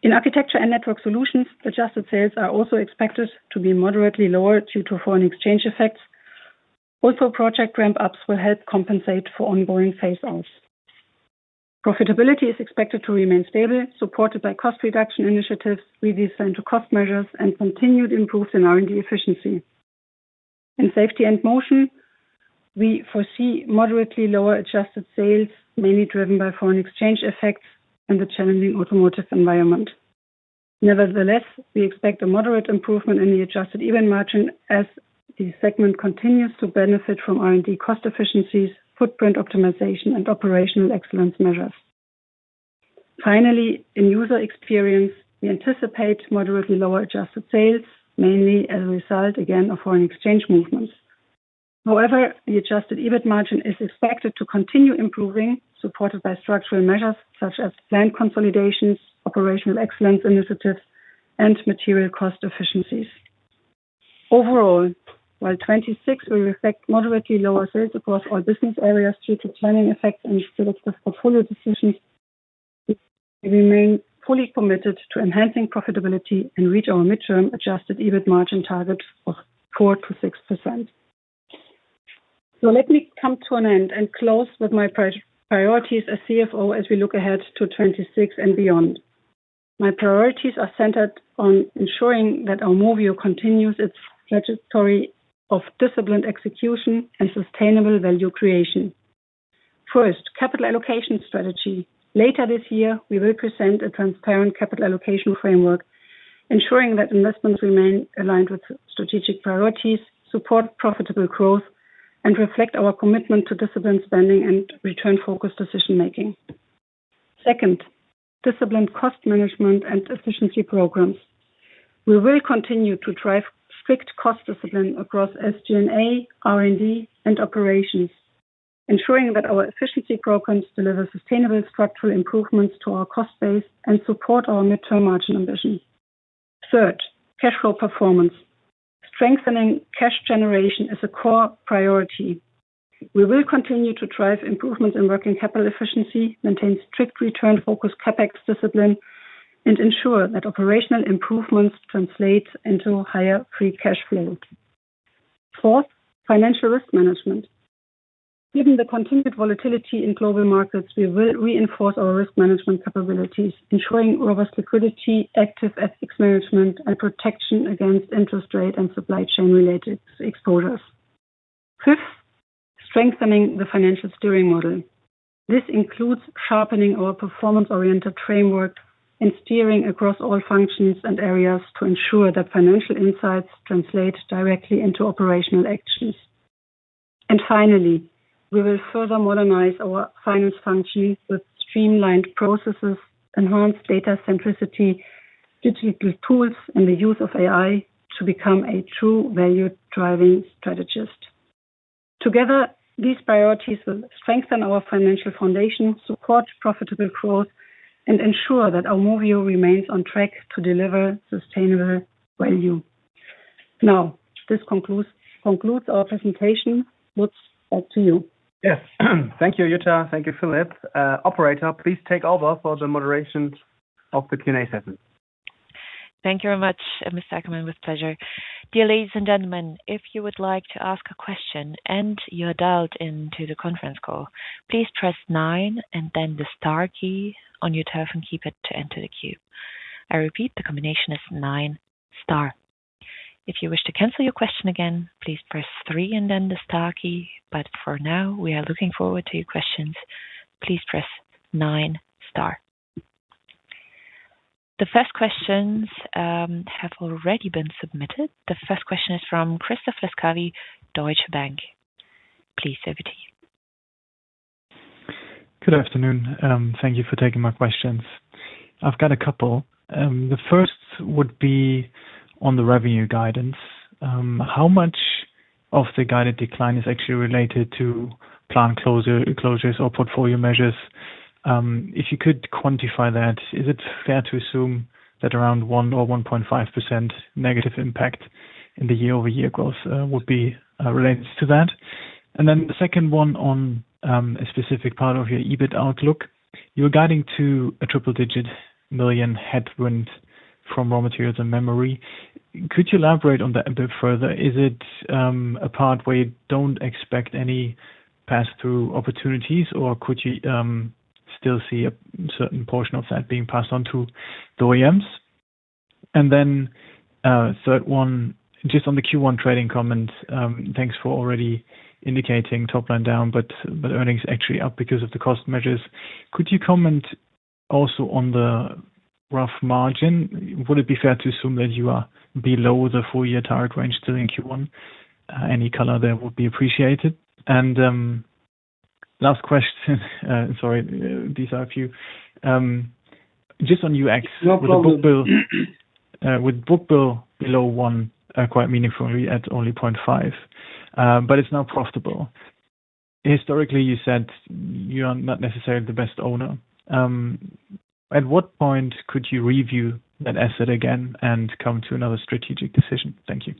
In Architecture and Network Solutions, adjusted sales are also expected to be moderately lower due to foreign exchange effects. Also, project ramp-ups will help compensate for ongoing phase outs. Profitability is expected to remain stable, supported by cost reduction initiatives, redesign-to-cost measures, and continued improvements in R&D efficiency. In Safety and Motion, we foresee moderately lower adjusted sales, mainly driven by foreign exchange effects and the challenging automotive environment. Nevertheless, we expect a moderate improvement in the adjusted EBIT margin as the segment continues to benefit from R&D cost efficiencies, footprint optimization, and operational excellence measures. Finally, in User Experience, we anticipate moderately lower adjusted sales, mainly as a result again of foreign exchange movements. However, the adjusted EBIT margin is expected to continue improving, supported by structural measures such as plant consolidations, operational excellence initiatives, and material cost efficiencies. Overall, while 2026 will reflect moderately lower sales across all business areas due to planning effects and selective portfolio decisions, we remain fully committed to enhancing profitability and reach our midterm adjusted EBIT margin target of 4%-6%. Let me come to an end and close with my priorities as CFO as we look ahead to 2026 and beyond. My priorities are centered on ensuring that Aumovio continues its trajectory of disciplined execution and sustainable value creation. First, capital allocation strategy. Later this year, we will present a transparent capital allocation framework, ensuring that investments remain aligned with strategic priorities, support profitable growth, and reflect our commitment to disciplined spending and return-focused decision making. Second, disciplined cost management and efficiency programs. We will continue to drive strict cost discipline across SG&A, R&D, and operations, ensuring that our efficiency programs deliver sustainable structural improvements to our cost base and support our midterm margin ambitions. Third, cash flow performance. Strengthening cash generation is a core priority. We will continue to drive improvements in working capital efficiency, maintain strict return-focused CapEx discipline, and ensure that operational improvements translate into higher free cash flow. Fourth, financial risk management. Given the continued volatility in global markets, we will reinforce our risk management capabilities, ensuring robust liquidity, active FX management, and protection against interest rate and supply chain related exposures. Fifth, strengthening the financial steering model. This includes sharpening our performance-oriented framework and steering across all functions and areas to ensure that financial insights translate directly into operational actions. Finally, we will further modernize our finance functions with streamlined processes, enhanced data centricity, digital tools, and the use of AI to become a true value driving strategist. Together, these priorities will strengthen our financial foundation, support profitable growth, and ensure that Aumovio remains on track to deliver sustainable value. Now, this concludes our presentation. Lutz, back to you. Yes. Thank you, Jutta. Thank you, Philipp. Operator, please take over for the moderation of the Q&A session. Thank you very much, Mr. Ackermann. With pleasure. Dear ladies and gentlemen, if you would like to ask a question and you dialed into the conference call, please press nine and then the star key on your telephone keypad to enter the queue. I repeat, the combination is nine, star. If you wish to cancel your question again, please press three and then the star key. For now, we are looking forward to your questions. Please press nine, star. The first questions have already been submitted. The first question is from Christoph Laskawi, Deutsche Bank. Please over to you. Good afternoon. Thank you for taking my questions. I've got a couple. The first would be on the revenue guidance. How much of the guided decline is actually related to plant closure, closures or portfolio measures? If you could quantify that, is it fair to assume that around 1 or 1.5% negative impact in the year-over-year growth would be related to that? The second one on a specific part of your EBIT outlook. You're guiding to a triple-digit million headwind from raw materials and memory. Could you elaborate on that a bit further? Is it a part where you don't expect any pass-through opportunities, or could you still see a certain portion of that being passed on to the OEMs? Third one, just on the Q1 trading comment. Thanks for already indicating top line down, but earnings actually up because of the cost measures. Could you comment also on the gross margin? Would it be fair to assume that you are below the full year target range still in Q1? Any color there would be appreciated. Last question. Sorry, these are a few. Just on UX- No problem. With the book-to-bill below 1, quite meaningfully at only 0.5, but it's now profitable. Historically, you said you are not necessarily the best owner. At what point could you review that asset again and come to another strategic decision? Thank you.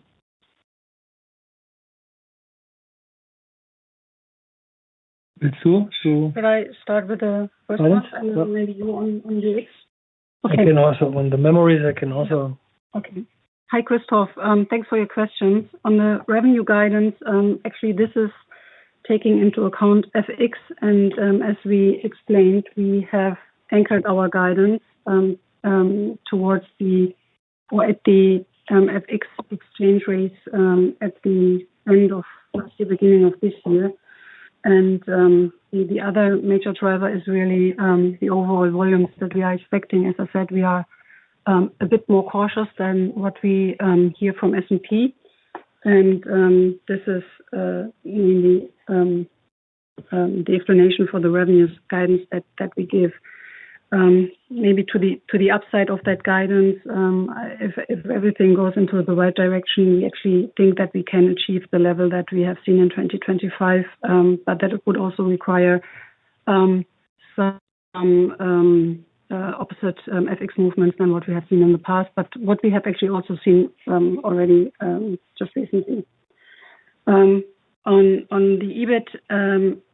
That's all. Can I start with the first one? Sure. Yep. Maybe you on UX. Okay. I can also. On the memories, I can also. Okay. Hi, Christoph. Thanks for your questions. On the revenue guidance, actually this is taking into account FX and, as we explained, we have anchored our guidance at the FX exchange rates at the beginning of this year. The other major driver is really the overall volumes that we are expecting. As I said, we are a bit more cautious than what we hear from S&P. This is the explanation for the revenues guidance that we give. Maybe to the upside of that guidance, if everything goes into the right direction, we actually think that we can achieve the level that we have seen in 2025, but that would also require some opposite FX movements than what we have seen in the past, but what we have actually also seen already just recently. On the EBIT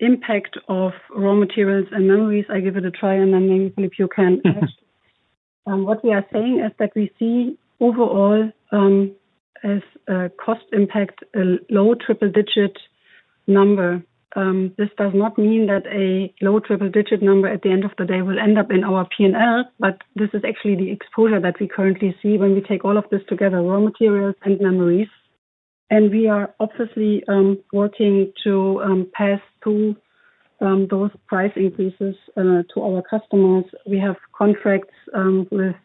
impact of raw materials and memories, I give it a try and then maybe Philipp you can add. What we are saying is that we see overall as a cost impact a low triple-digit number. This does not mean that a low triple-digit number at the end of the day will end up in our P&L, but this is actually the exposure that we currently see when we take all of this together, raw materials and memories. We are obviously working to pass through those price increases to our customers. We have contracts with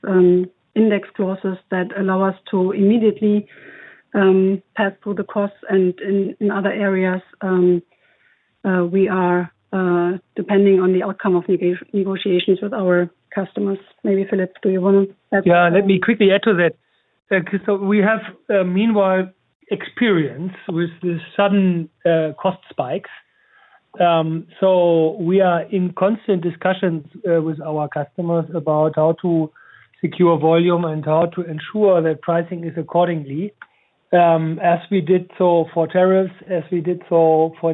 index clauses that allow us to immediately pass through the costs and in other areas we are depending on the outcome of negotiations with our customers. Maybe Philipp, do you want to add something? Let me quickly add to that. Christoph, we have meanwhile experience with the sudden cost spikes. We are in constant discussions with our customers about how to secure volume and how to ensure that pricing is accordingly, as we did so for tariffs, as we did so for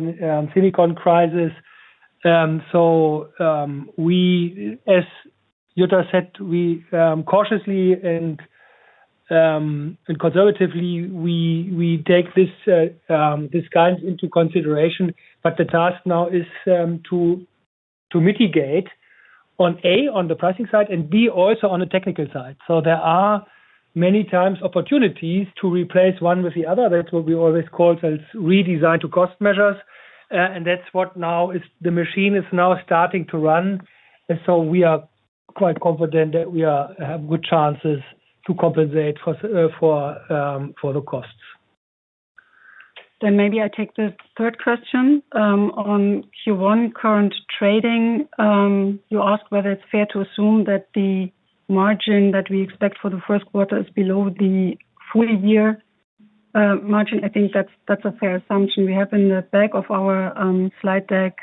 silicon crisis. As Jutta said, we cautiously and conservatively take this guide into consideration, but the task now is to mitigate on A, on the pricing side, and B, also on the technical side. There are many times opportunities to replace one with the other. That's what we always call as redesign-to-cost measures. That's what now is. The machine is now starting to run. We are quite confident that we have good chances to compensate for the costs. Maybe I take the third question on Q1 current trading. You ask whether it's fair to assume that the margin that we expect for the first quarter is below the full year margin. I think that's a fair assumption. We have in the back of our slide deck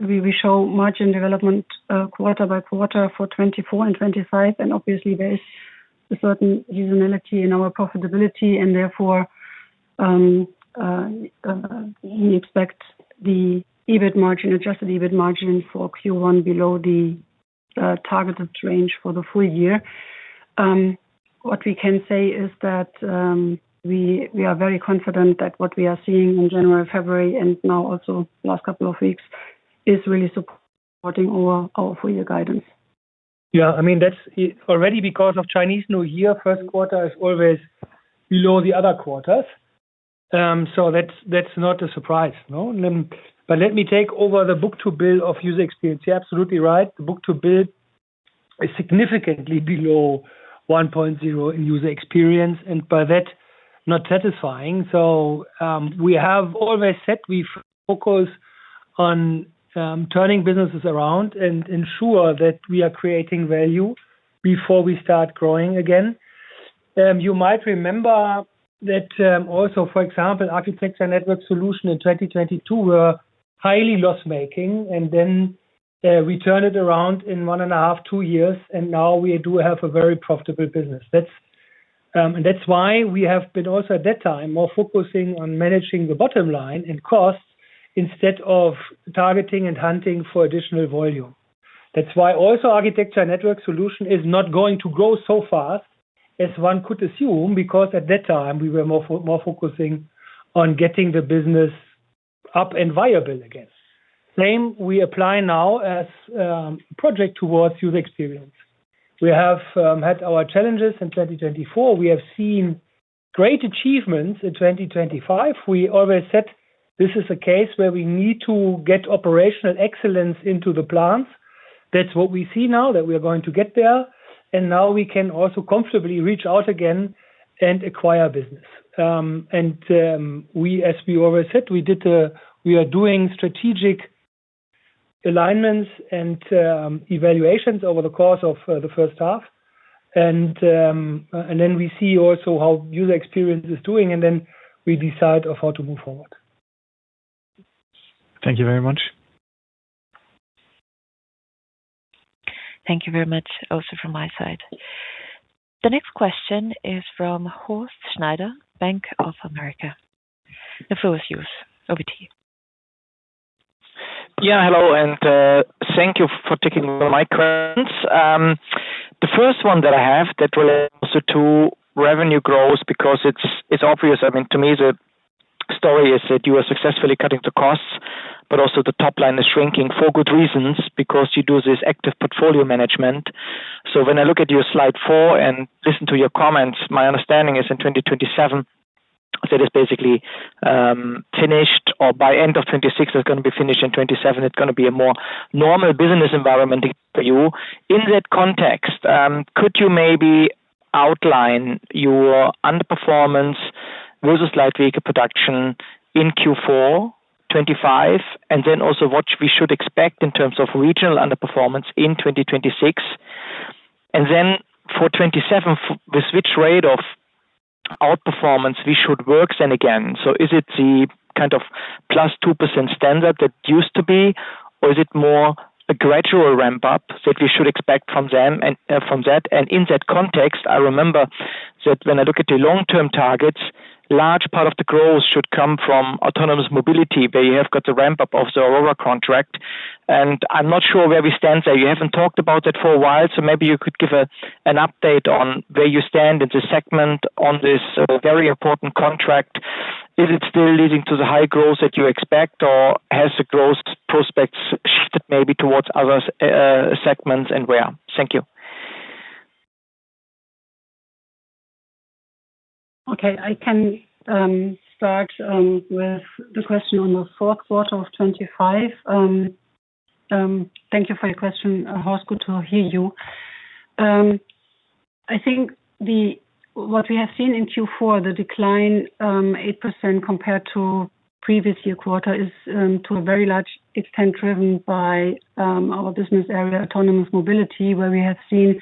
we show margin development quarter by quarter for 2024 and 2025. Obviously there is a certain seasonality in our profitability and therefore we expect the EBIT margin, adjusted EBIT margin for Q1 below the targeted range for the full year. What we can say is that we are very confident that what we are seeing in January, February, and now also last couple of weeks is really supporting our full year guidance. I mean, that's already because of Chinese New Year, first quarter is always below the other quarters. That's not a surprise. No? Let me take over the book-to-bill of User Experience. You're absolutely right. The book-to-bill is significantly below 1.0 in User Experience, and by that, not satisfying. We have always said we focus on turning businesses around and ensure that we are creating value before we start growing again. You might remember that also, for example, Architecture and Network Solutions in 2022 were highly loss-making and then we turned it around in one and a half, two years, and now we do have a very profitable business. That's why we have been also at that time more focusing on managing the bottom line and costs instead of targeting and hunting for additional volume. That's why also Architecture and Network Solutions is not going to grow so fast as one could assume, because at that time we were more focusing on getting the business up and viable again. Same we apply now as project towards User Experience. We have had our challenges in 2024. We have seen great achievements in 2025. We always said this is a case where we need to get operational excellence into the plans. That's what we see now that we are going to get there, and now we can also comfortably reach out again and acquire business. As we always said, we are doing strategic alignments and evaluations over the course of the first half. Then we see also how User Experience is doing, and then we decide on how to move forward. Thank you very much. Thank you very much also from my side. The next question is from Horst Schneider, Bank of America. The floor is yours. Over to you. Yes, hello, and thank you for taking my questions. The first one that I have that relates also to revenue growth because it's obvious, I mean, to me, the story is that you are successfully cutting the costs, but also the top line is shrinking for good reasons because you do this active portfolio management. When I look at your slide 4 and listen to your comments, my understanding is in 2027, that is basically finished or by end of 2026, it's gonna be finished. In 2027, it's gonna be a more normal business environment for you. In that context, could you maybe outline your underperformance versus light vehicle production in Q4 2025? Then also what we should expect in terms of regional underperformance in 2026. Then for 2027, with which rate of outperformance we should work then again. Is it the kind of +2% standard that used to be, or is it more a gradual ramp-up that we should expect from them and from that? In that context, I remember that when I look at the long-term targets, a large part of the growth should come from Autonomous Mobility, where you have got the ramp-up of the Aurora contract. I'm not sure where we stand there. You haven't talked about it for a while, so maybe you could give an update on where you stand in the segment on this very important contract. Is it still leading to the high growth that you expect, or has the growth prospects shifted maybe towards other segments and where? Thank you. Okay. I can start with the question on the fourth quarter of 2025. Thank you for your question, Horst. Good to hear you. I think what we have seen in Q4, the decline 8% compared to previous year quarter is to a very large extent driven by our business area, Autonomous Mobility, where we have seen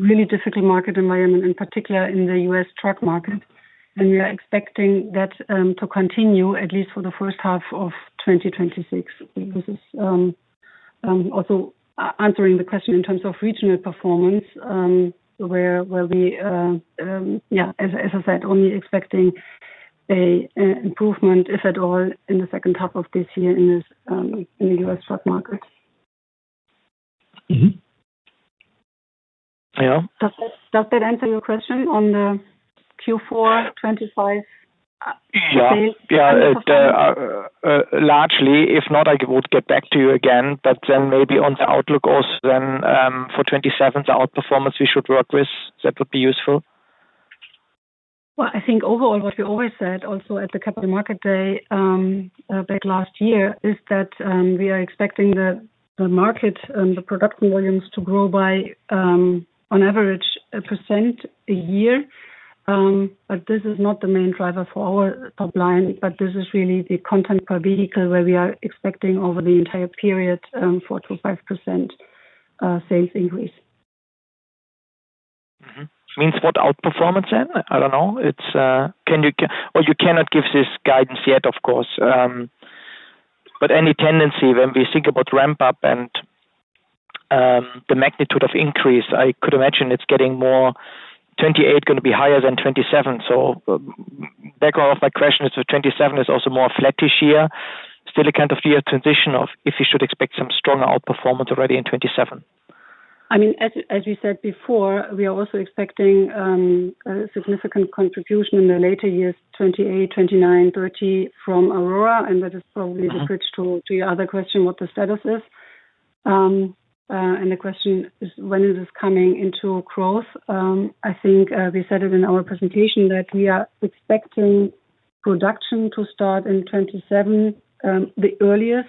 really difficult market environment, in particular in the U.S. truck market. We are expecting that to continue at least for the first half of 2026. This is also answering the question in terms of regional performance, where we, as I said, only expecting an improvement, if at all, in the second half of this year in the U.S. truck market.... Yes. Does that answer your question on the Q4 2025 sales? The largely, if not, I would get back to you again, but then maybe on the outlook also then for 2027, the outperformance we should work with, that would be useful. Well, overall what we always said also at the Capital Markets Day back last year is that we are expecting the market and the production volumes to grow by on average 1% a year. But this is not the main driver for our top line, but this is really the content per vehicle where we are expecting over the entire period 4%-5% sales increase. What does outperformance mean then? I don't know. You cannot give this guidance yet, of course. Any tendency when we think about ramp-up and the magnitude of increase? I could imagine it's getting more. 2028 gonna be higher than 2027. Back to my question, is the 2027 also more flattish year? Still a kind of year transition or if you should expect some stronger outperformance already in 2027. As we said before, we are also expecting a significant contribution in the later years, 2028, 2029, 2030, from Aurora, and that is probably. Uh-huh. The bridge to your other question, what the status is. The question is when is this coming into growth. I think we said it in our presentation that we are expecting production to start in 2027, the earliest.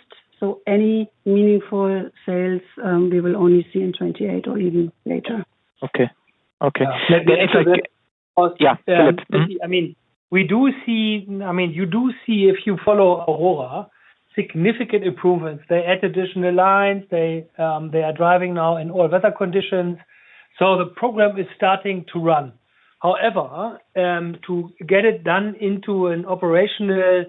Any meaningful sales, we will only see in 2028 or even later. Okay. Let me add to that. Do it. If you follow Aurora, significant improvements. They add additional lines. They are driving now in all weather conditions. The program is starting to run. However, to get it done into an operational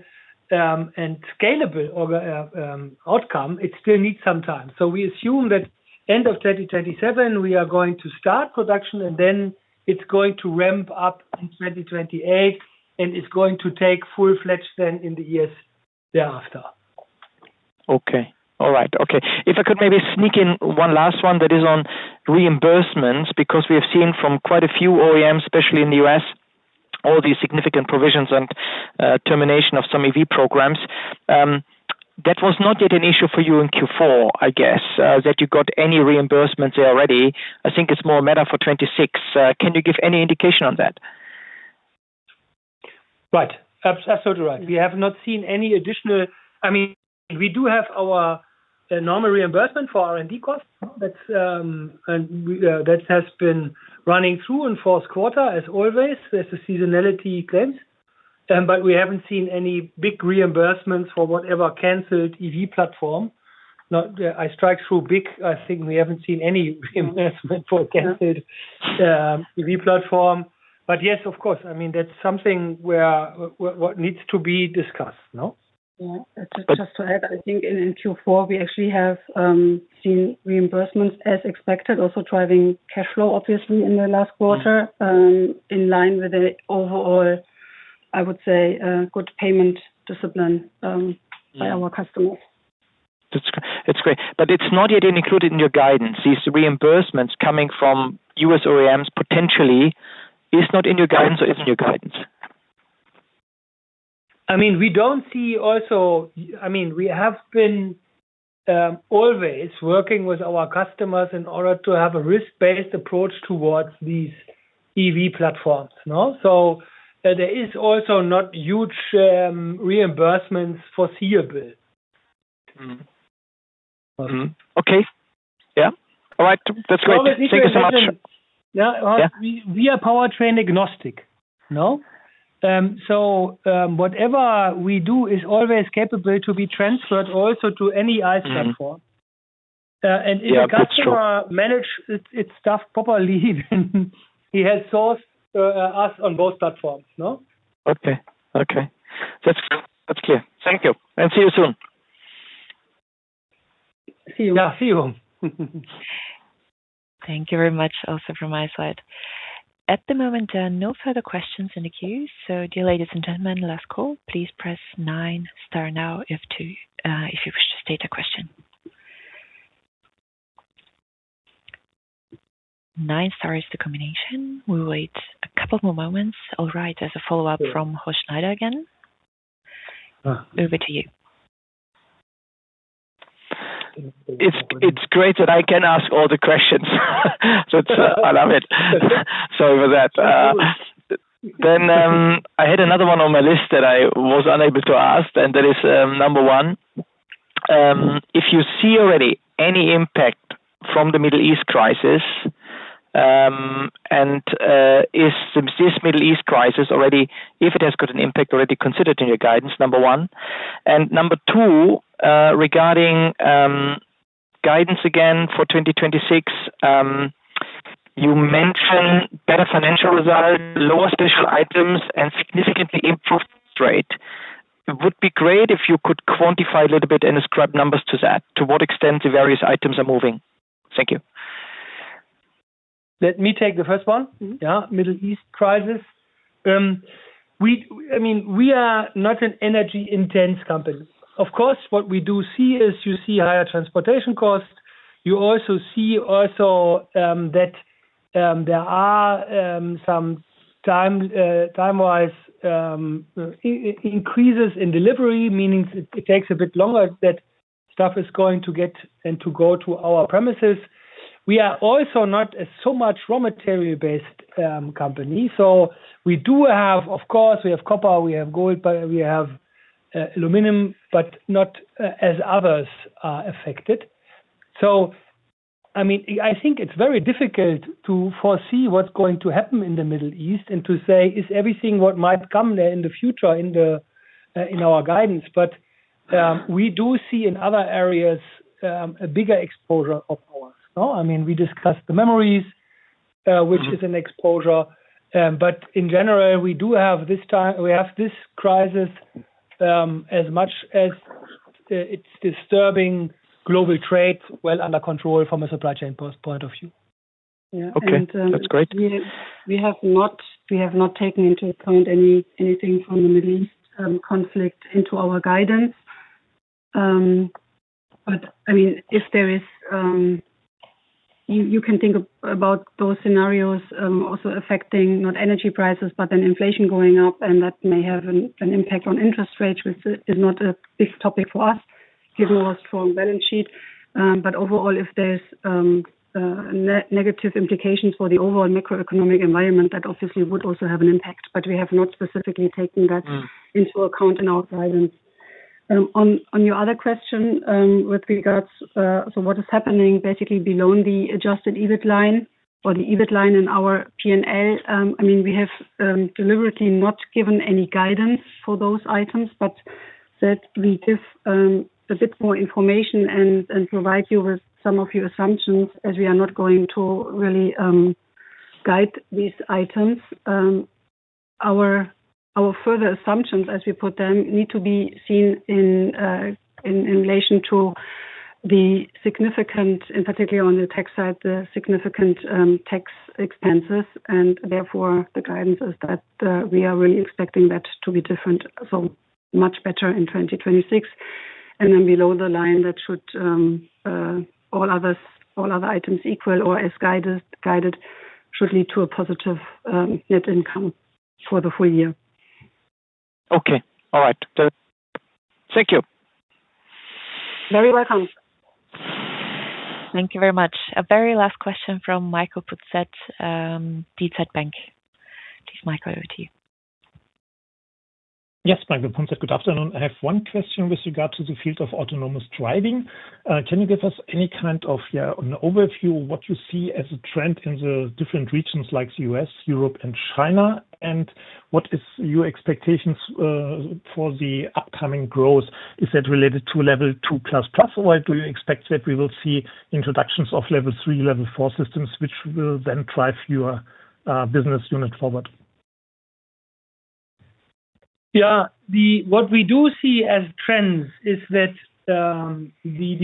and scalable outcome, it still needs some time. We assume that end of 2027, we are going to start production, and then it's going to ramp up in 2028, and it's going to take full-fledged then in the years thereafter. If I could maybe sneak in one last one that is on reimbursements, because we have seen from quite a few OEMs, especially in the U.S., all these significant provisions and termination of some EV programs. That was not yet an issue for you in Q4, I guess, that you got any reimbursements there already. I think it's more a matter for 2026. Can you give any indication on that? Right. Absolutely right. We have not seen any additional. I mean, we do have our normal reimbursement for R&D costs. That's, and we, that has been running through in fourth quarter as always, as the seasonality claims. We haven't seen any big reimbursements for whatever canceled EV platform. Now, I strike through big. I think we haven't seen any reimbursement for canceled EV platform. Yes, of course. that's something what needs to be discussed, no? Just to add, In Q4, we actually have seen reimbursements as expected, also driving cash flow, obviously, in the last quarter, in line with the overall, I would say, good payment discipline by our customers. That's great. It's not yet included in your guidance, these reimbursements coming from U.S. OEMs potentially. It's not in your guidance or it's in your guidance? We have been always working with our customers in order to have a risk-based approach towards these EV platforms, you know? There is also not huge reimbursements foreseeable. Okay. All right. That's great. Thank you so much. Yes. Yes. We are powertrain agnostic, you know? Whatever we do is always capable to be transferred also to any ICE platform. That's true. If a customer manage its stuff properly, then he has sourced us on both platforms, no? Okay. That's clear. Thank you. See you soon. See you. See you. Thank you very much also from my side. At the moment, there are no further questions in the queue. Dear ladies and gentlemen, last call. Please press nine star now if you wish to state a question. Nine star is the combination. We'll wait a couple more moments. All right. There's a follow-up from Horst Schneider again. Ah. Over to you. It's great that I can ask all the questions. That's. I love it. Sorry for that. I had another one on my list that I was unable to ask, and that is, number one, if you see already any impact from the Middle East crisis, and is this Middle East crisis already, if it has got an impact already considered in your guidance, number one. Number two, regarding, guidance again for 2026, you mention better financial results, lower special items, and significantly improved rate. It would be great if you could quantify a little bit and describe numbers to that, to what extent the various items are moving. Thank you. Let me take the first one... Middle East crisis. We are not an energy intense company. Of course, what we do see is you see higher transportation costs. You also see that there are some time-wise increases in delivery, meaning it takes a bit longer that stuff is going to get and to go to our premises. We are also not so much a raw material based company. So we do have, of course, we have copper, we have gold, but we have aluminum, but not as others are affected. So I mean, I think it's very difficult to foresee what's going to happen in the Middle East and to say, is everything what might come there in the future in our guidance. We do see in other areas a bigger exposure of ours now. We discussed the memories, which is an exposure. In general, we have this crisis, as much as it's disturbing global trade well under control from a supply chain point of view. Yes Okay, that's great. We have not taken into account anything from the Middle East conflict into our guidance. If there is you can think about those scenarios also affecting not energy prices, but then inflation going up, and that may have an impact on interest rates, which is not a big topic for us, given our strong balance sheet. Overall, if there's negative implications for the overall macroeconomic environment, that obviously would also have an impact. We have not specifically taken that. hm.. into account in our guidance. On your other question, with regards, so what is happening basically below the adjusted EBIT line or the EBIT line in our P&L, We have deliberately not given any guidance for those items. That we give a bit more information and provide you with some of your assumptions, as we are not going to really guide these items. Our further assumptions, as we put them, need to be seen in relation to the significant, and particularly on the tech side, the significant tax expenses, and therefore the guidance is that we are really expecting that to be different, so much better in 2026. Below the line that should, all other things equal or as guided, should lead to a positive net income for the full year. Okay. All right. Thank you. Very welcome. Thank you very much. A very last question from Michael Punzet, DZ Bank. Please, Michael, over to you. Yes. Michael Punzet. Good afternoon. I have one question with regard to the field of autonomous driving. Can you give us any kind of, yeah, an overview of what you see as a trend in the different regions like U.S., Europe, and China? What is your expectations for the upcoming growth? Is that related to Level 2++, or do you expect that we will see introductions of Level 3, Level 4 systems, which will then drive your business unit forward? What we do see as trends is that the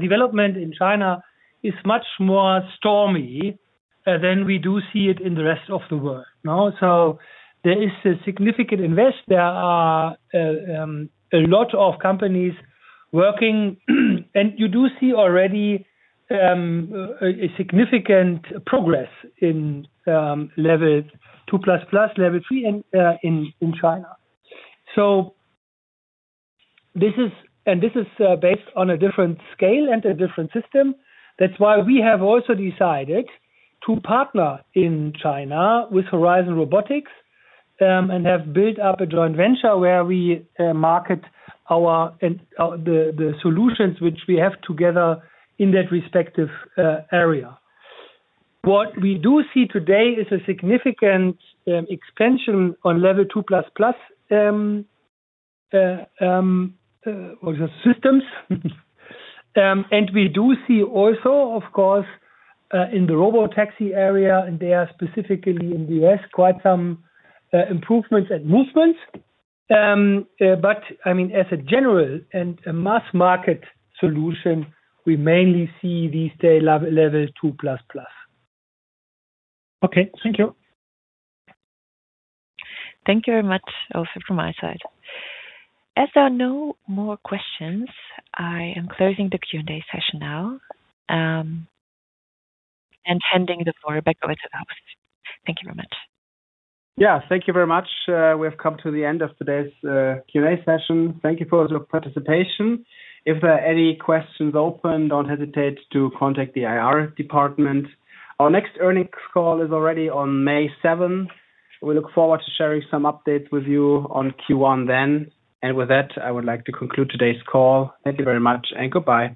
development in China is much more stormy than we do see it in the rest of the world now. There is a significant investment. There are a lot of companies working, and you do see already a significant progress in Level 2++, Level 3 in China. This is based on a different scale and a different system. That's why we have also decided to partner in China with Horizon Robotics and have built up a joint venture where we market our and their solutions which we have together in that respective area. What we do see today is a significant expansion on Level 2++ systems. We do see also, of course, in the robotaxi area, and there specifically in the U.S., quite some improvements and movements. I mean, as a general and a mass market solution, we mainly see these days Level 2++. Okay. Thank you. Thank you very much also from my side. As there are no more questions, I am closing the Q&A session now, and handing the floor back over to Lutz Ackermann. Thank you very much. Thank you very much. We've come to the end of today's Q&A session. Thank you for your participation. If there are any questions open, don't hesitate to contact the IR department. Our next earnings call is already on May seventh. We look forward to sharing some updates with you on Q1 then. With that, I would like to conclude today's call. Thank you very much, and goodbye.